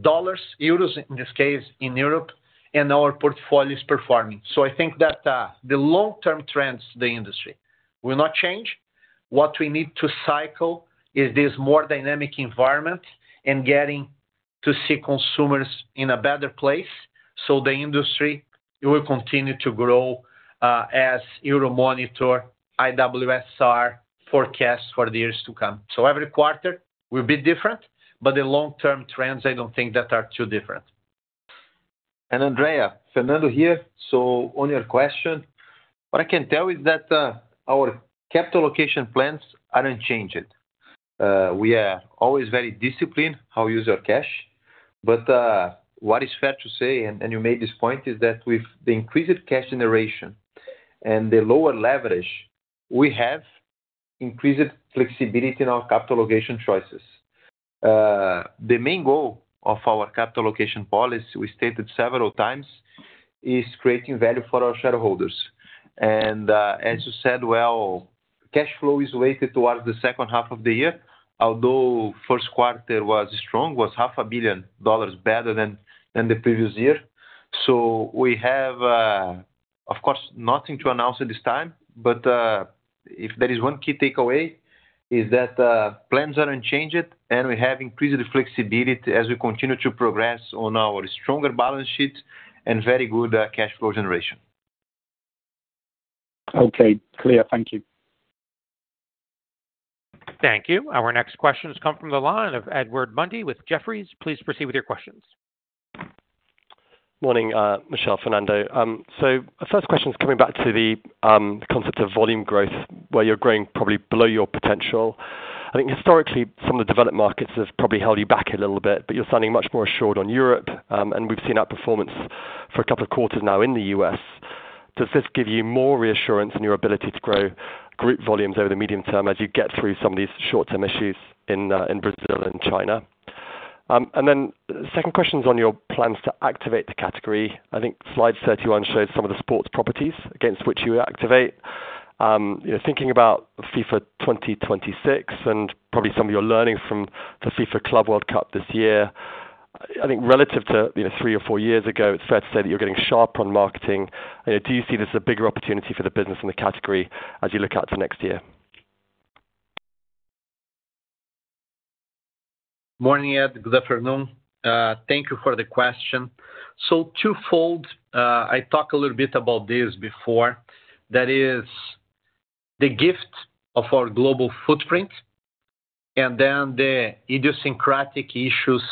Dollars, euros in this case in Europe, and our portfolio is performing. I think that the long-term trends to the industry will not change. What we need to cycle is this more dynamic environment and getting to see consumers in a better place. The industry will continue to grow, as EuroMonitor, IWSR forecast for the years to come. Every quarter will be different, but the long-term trends, I don't think that are too different. Andrea, Fernando here. On your question, what I can tell is that our capital allocation plans aren't changing. We are always very disciplined how we use our cash. What is fair to say, and you made this point, is that with the increased cash generation and the lower leverage, we have increased flexibility in our capital allocation choices. The main goal of our capital allocation policy, we stated several times, is creating value for our shareholders. As you said, cash flow is weighted towards the second half of the year, although first quarter was strong, was half a billion dollars better than the previous year. We have, of course, nothing to announce at this time. If there is one key takeaway, it is that plans aren't changing and we have increased the flexibility as we continue to progress on our stronger balance sheet and very good cash flow generation. Okay. Clear. Thank you. Thank you. Our next questions come from the line of Edward Mundy with Jefferies. Please proceed with your questions. Morning, Michel, Fernando. Our first question is coming back to the concept of volume growth where you're growing probably below your potential. I think historically, some of the developed markets have probably held you back a little bit, but you're sounding much more assured on Europe. We've seen outperformance for a couple of quarters now in the U.S. Does this give you more reassurance in your ability to grow group volumes over the medium term as you get through some of these short-term issues in Brazil and China? Second question is on your plans to activate the category. I think slide 31 shows some of the sports properties against which you would activate. Thinking about FIFA 2026 and probably some of your learnings from the FIFA Club World Cup this year, I think relative to three or four years ago, it's fair to say that you're getting sharper on marketing. Do you see this as a bigger opportunity for the business in the category as you look out to next year? Morning, Ed. Good afternoon. Thank you for the question. Twofold, I talked a little bit about this before. That is the gift of our global footprint and then the idiosyncratic issues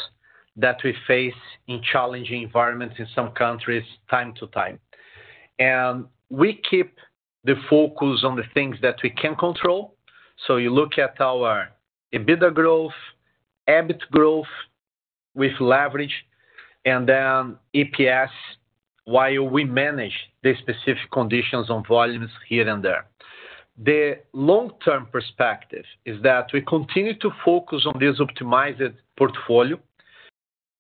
that we face in challenging environments in some countries time to time. We keep the focus on the things that we can control. You look at our EBITDA growth, EBIT growth with leverage, and then EPS while we manage the specific conditions on volumes here and there. The long-term perspective is that we continue to focus on this optimized portfolio.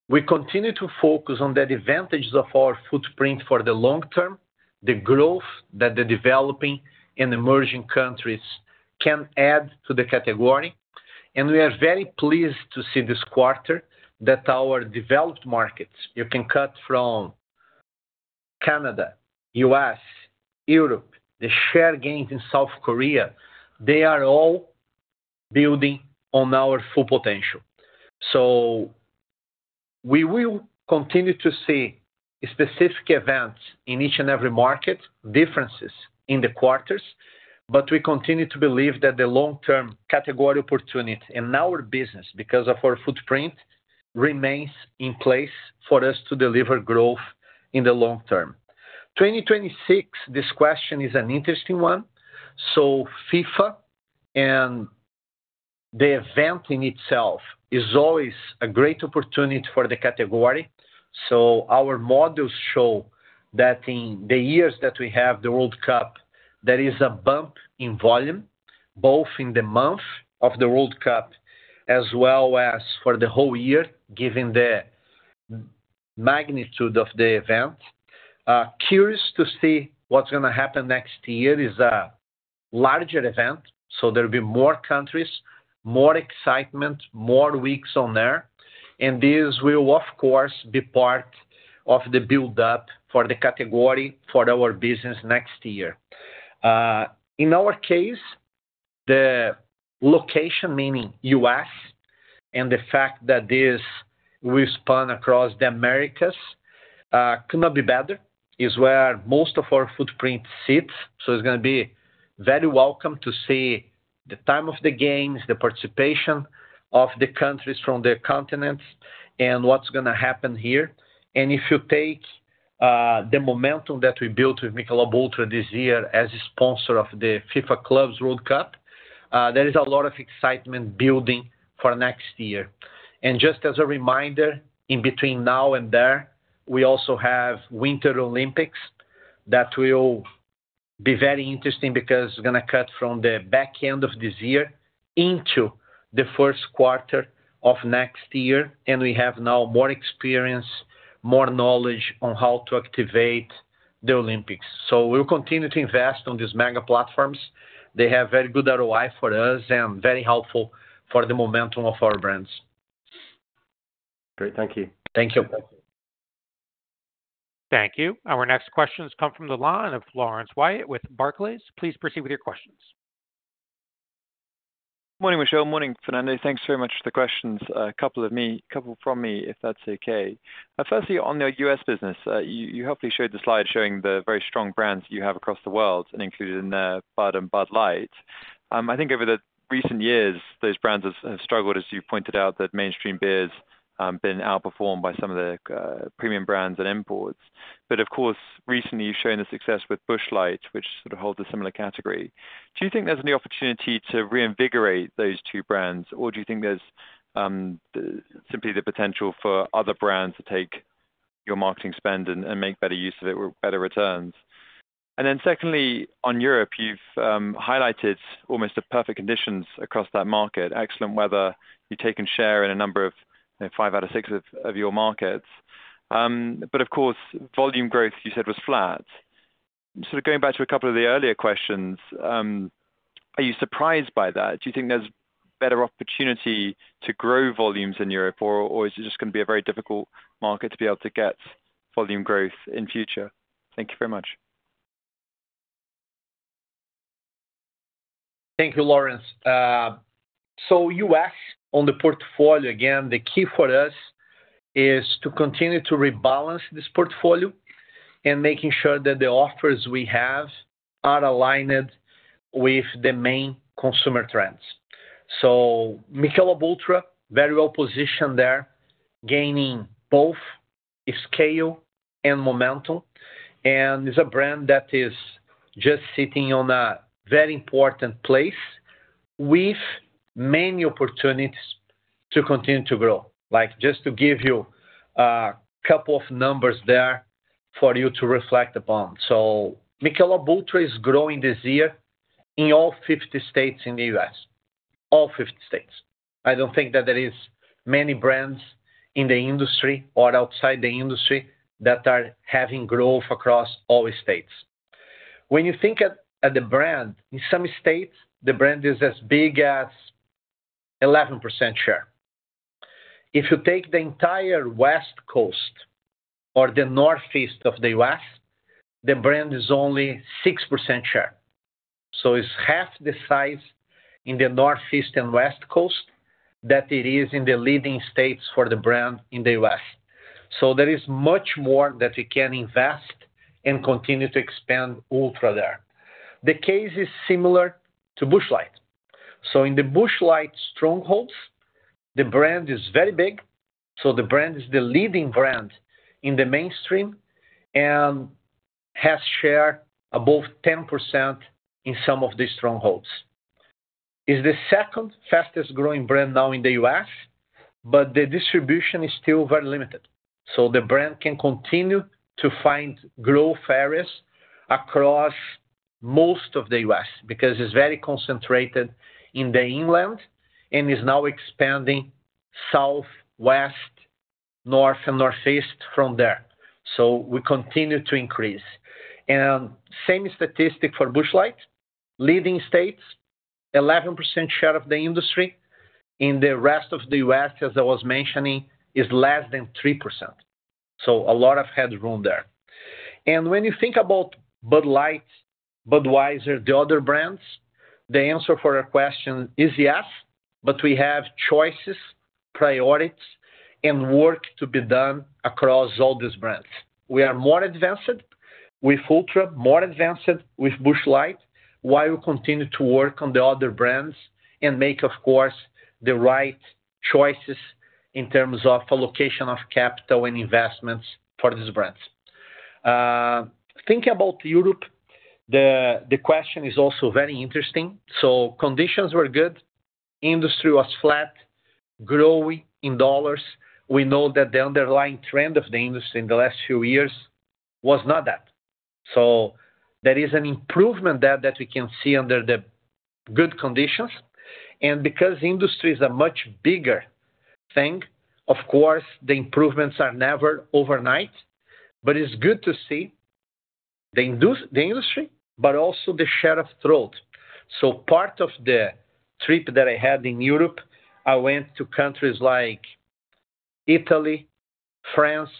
We continue to focus on the advantages of our footprint for the long term, the growth that the developing and emerging countries can add to the category. We are very pleased to see this quarter that our developed markets, you can cut from Canada, U.S., Europe, the share gains in South Korea, they are all building on our full potential. We will continue to see specific events in each and every market, differences in the quarters, but we continue to believe that the long-term category opportunity in our business because of our footprint remains in place for us to deliver growth in the long term. 2026, this question is an interesting one. FIFA and the event in itself is always a great opportunity for the category. Our models show that in the years that we have the World Cup, there is a bump in volume, both in the month of the World Cup as well as for the whole year, given the magnitude of the event. Curious to see what's going to happen next year, it is a larger event. There will be more countries, more excitement, more weeks on air. This will, of course, be part of the build-up for the category for our business next year. In our case, the location, meaning U.S., and the fact that this will span across the Americas, could not be better. It's where most of our footprint sits. It's going to be very welcome to see the time of the games, the participation of the countries from the continents, and what's going to happen here. If you take the momentum that we built with Michelob ULTRA this year as a sponsor of the FIFA Club World Cup, there is a lot of excitement building for next year. Just as a reminder, in between now and there, we also have Winter Olympics that will be very interesting because it's going to cut from the back end of this year into the first quarter of next year. We have now more experience, more knowledge on how to activate the Olympics. We'll continue to invest on these mega platforms. They have very good ROI for us and are very helpful for the momentum of our brands. Great. Thank you. Thank you. Thank you. Our next questions come from the line of Lawrence Wyatt with Barclays. Please proceed with your questions. Morning, Michel. Morning, Fernando. Thanks very much for the questions. A couple from me, if that's okay. Firstly, on the U.S. business, you hopefully showed the slide showing the very strong brands you have across the world and included in the Bud and Bud Light. I think over the recent years, those brands have struggled, as you pointed out, that mainstream beers have been outperformed by some of the premium brands and imports. Of course, recently, you've shown the success with Busch Light, which sort of holds a similar category. Do you think there's any opportunity to reinvigorate those two brands, or do you think there's simply the potential for other brands to take your marketing spend and make better use of it with better returns? Secondly, on Europe, you've highlighted almost the perfect conditions across that market, excellent weather. You've taken share in a number of five out of six of your markets. Of course, volume growth, you said, was flat. Going back to a couple of the earlier questions, are you surprised by that? Do you think there's better opportunity to grow volumes in Europe, or is it just going to be a very difficult market to be able to get volume growth in future? Thank you very much. Thank you, Lawrence. U.S. on the portfolio, again, the key for us is to continue to rebalance this portfolio and making sure that the offers we have are aligned with the main consumer trends. Michelob ULTRA, very well positioned there, gaining both scale and momentum. It's a brand that is just sitting on a very important place with many opportunities to continue to grow. Just to give you a couple of numbers there for you to reflect upon. Michelob ULTRA is growing this year in all 50 states in the U.S., all 50 states. I don't think that there are many brands in the industry or outside the industry that are having growth across all states. When you think at the brand, in some states, the brand is as big as 11% share. If you take the entire West Coast or the Northeast of the U.S., the brand is only 6% share. It's half the size in the Northeast and West Coast that it is in the leading states for the brand in the U.S. There is much more that we can invest and continue to expand Ultra there. The case is similar to Busch Light. In the Busch Light strongholds, the brand is very big. The brand is the leading brand in the mainstream and has share above 10% in some of the strongholds. It's the second fastest-growing brand now in the U.S., but the distribution is still very limited. The brand can continue to find growth areas across most of the U.S. because it's very concentrated in the inland and is now expanding south, west, north, and northeast from there. We continue to increase. Same statistic for Busch Light, leading states, 11% share of the industry. In the rest of the U.S., as I was mentioning, is less than 3%. A lot of headroom there. When you think about Bud Light, Budweiser, the other brands, the answer for your question is yes, but we have choices, priorities, and work to be done across all these brands. We are more advanced with Ultra, more advanced with Busch Light while we continue to work on the other brands and make, of course, the right choices in terms of allocation of capital and investments for these brands. Thinking about Europe, the question is also very interesting. Conditions were good. Industry was flat, growing in dollars. We know that the underlying trend of the industry in the last few years was not that. There is an improvement there that we can see under the good conditions. Because industry is a much bigger thing, of course, the improvements are never overnight. It is good to see. The industry, but also the share of throat. So part of the trip. I had in Europe, I went to countries like Italy and France,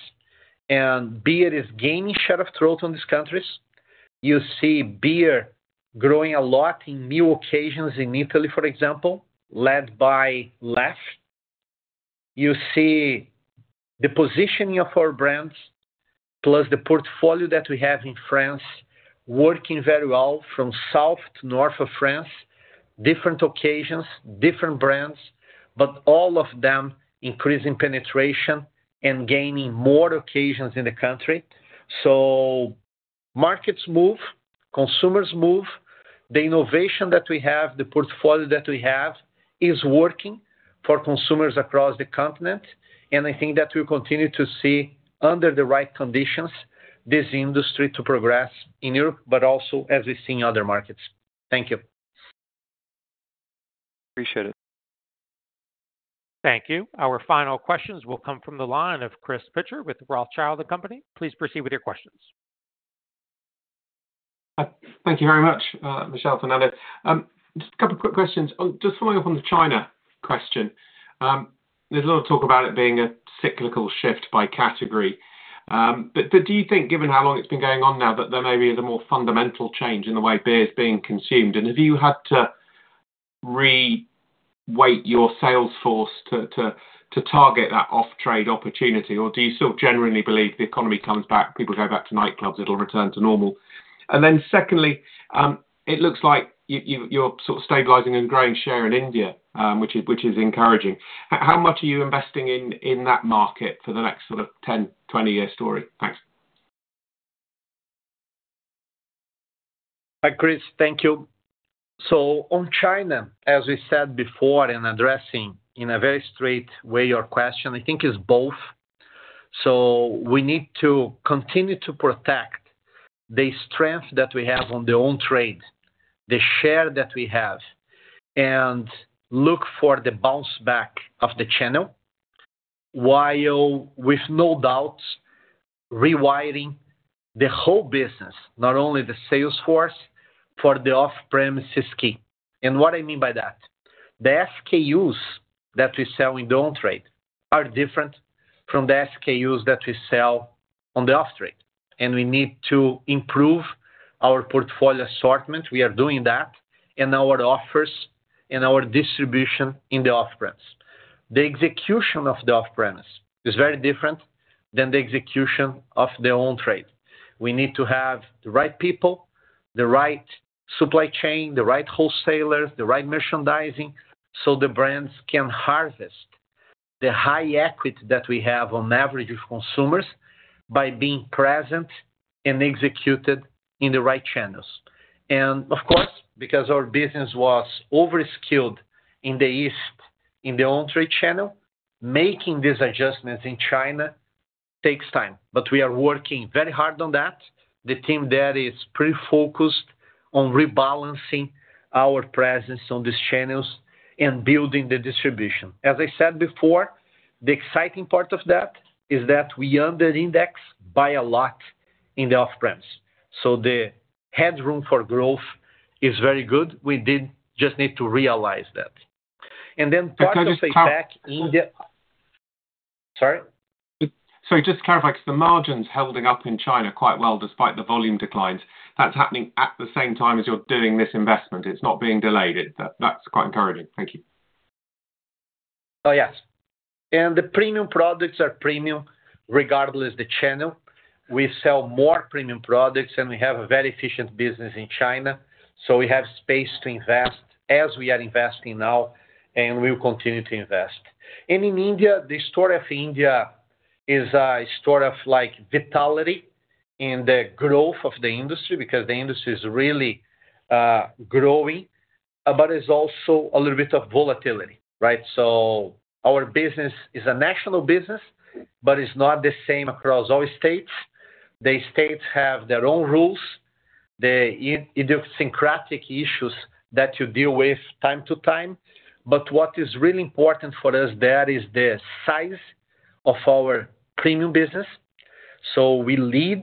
and beer is gaining a share of throat in these countries. You see beer growing a lot in new occasions in Italy, for example, led by Leffe. You see the positioning of our brands, plus the portfolio that we have in France, working very well from south to north of France, different occasions, different brands, but all of them increasing penetration and gaining more occasions in the country. Markets move, consumers move, the innovation that we have, the portfolio that we have is working for consumers across the continent, and I think that we'll continue to see, under the right conditions, this industry to progress in Europe, but also as we see in other markets. Thank you. Appreciate it. Thank you. Our final questions will come from the line of Chris Pitcher with Rothschild & Company. Please proceed with your questions. Thank you very much, Michel and Fernando. Just a couple of quick questions. Just following up on the China question. There's a lot of talk about it being a cyclical shift by category. Do you think, given how long it's been going on now, that there maybe is a more fundamental change in the way beer is being consumed? Have you had to re-weight your sales force to target that off-premise channel opportunity, or do you still genuinely believe the economy comes back, people go back to nightclubs, it'll return to normal? Secondly, it looks like you're sort of stabilizing and growing share in India, which is encouraging. How much are you investing in that market for the next sort of 10, 20-year story? Thanks. Hi, Chris. Thank you. On China, as we said before in addressing in a very straight way your question, I think it's both. We need to continue to protect the strength that we have on the on-trade, the share that we have, and look for the bounce back of the channel, while with no doubt rewiring the whole business, not only the sales force, for the off-premise is key. What I mean by that is the SKUs that we sell in the on-trade are different from the SKUs that we sell on the off-trade, and we need to improve our portfolio assortment. We are doing that in our offers and our distribution in the off-premise. The execution of the off-premise is very different than the execution of the on-trade. We need to have the right people, the right supply chain, the right wholesalers, the right merchandising, so the brands can harvest the high equity that we have on average of consumers by being present and executed in the right channels. Of course, because our business was over-skilled in the east, in the on-trade channel, making these adjustments in China takes time. We are working very hard on that. The team there is pretty focused on rebalancing our presence on these channels and building the distribution. As I said before, the exciting part of that is that we under-index by a lot in the off-premise, so the headroom for growth is very good. We just need to realize that. Part of the impact in the Can I just clarify? Sorry? Sorry, just to clarify, because the margins are holding up in China quite well despite the volume declines. That's happening at the same time as you're doing this investment. It's not being delayed. That's quite encouraging. Thank you. Oh, yes. The premium products are premium regardless of the channel. We sell more premium products, and we have a very efficient business in China. We have space to invest as we are investing now, and we'll continue to invest. In India, the story of India is a story of vitality in the growth of the industry because the industry is really growing, but it's also a little bit of volatility, right? Our business is a national business, but it's not the same across all states. The states have their own rules, the idiosyncratic issues that you deal with time to time. What is really important for us there is the size of our premium business. We lead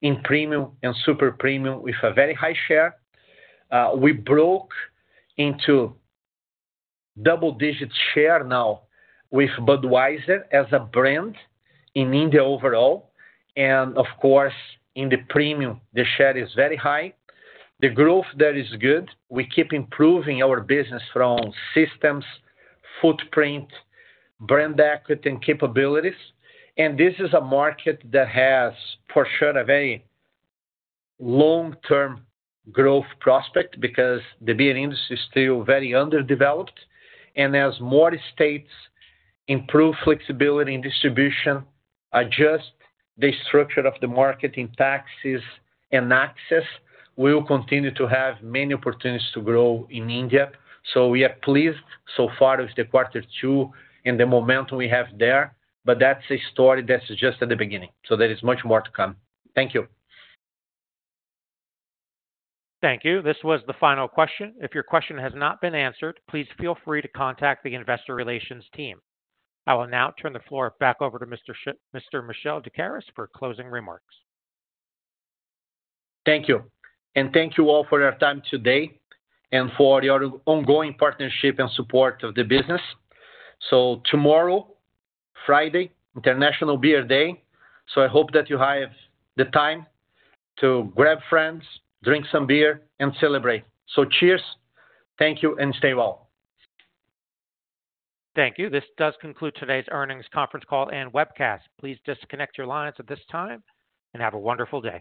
in premium and super premium with a very high share. We broke into double-digit share now with Budweiser as a brand in India overall. Of course, in the premium, the share is very high. The growth there is good. We keep improving our business from systems, footprint, brand equity, and capabilities. This is a market that has, for sure, a very long-term growth prospect because the beer industry is still very underdeveloped. As more states improve flexibility in distribution, adjust the structure of the market in taxes and access, we'll continue to have many opportunities to grow in India. We are pleased so far with the quarter two and the momentum we have there. That's a story that's just at the beginning. There is much more to come. Thank you. Thank you. This was the final question. If your question has not been answered, please feel free to contact the Investor Relations team. I will now turn the floor back over to Mr. Michel Doukeris for closing remarks. Thank you. Thank you all for your time today and for your ongoing partnership and support of the business. Tomorrow, Friday, is International Beer Day. I hope that you have the time to grab friends, drink some beer, and celebrate. Cheers. Thank you and stay well. Thank you. This does conclude today's earnings conference call and webcast. Please disconnect your lines at this time and have a wonderful day.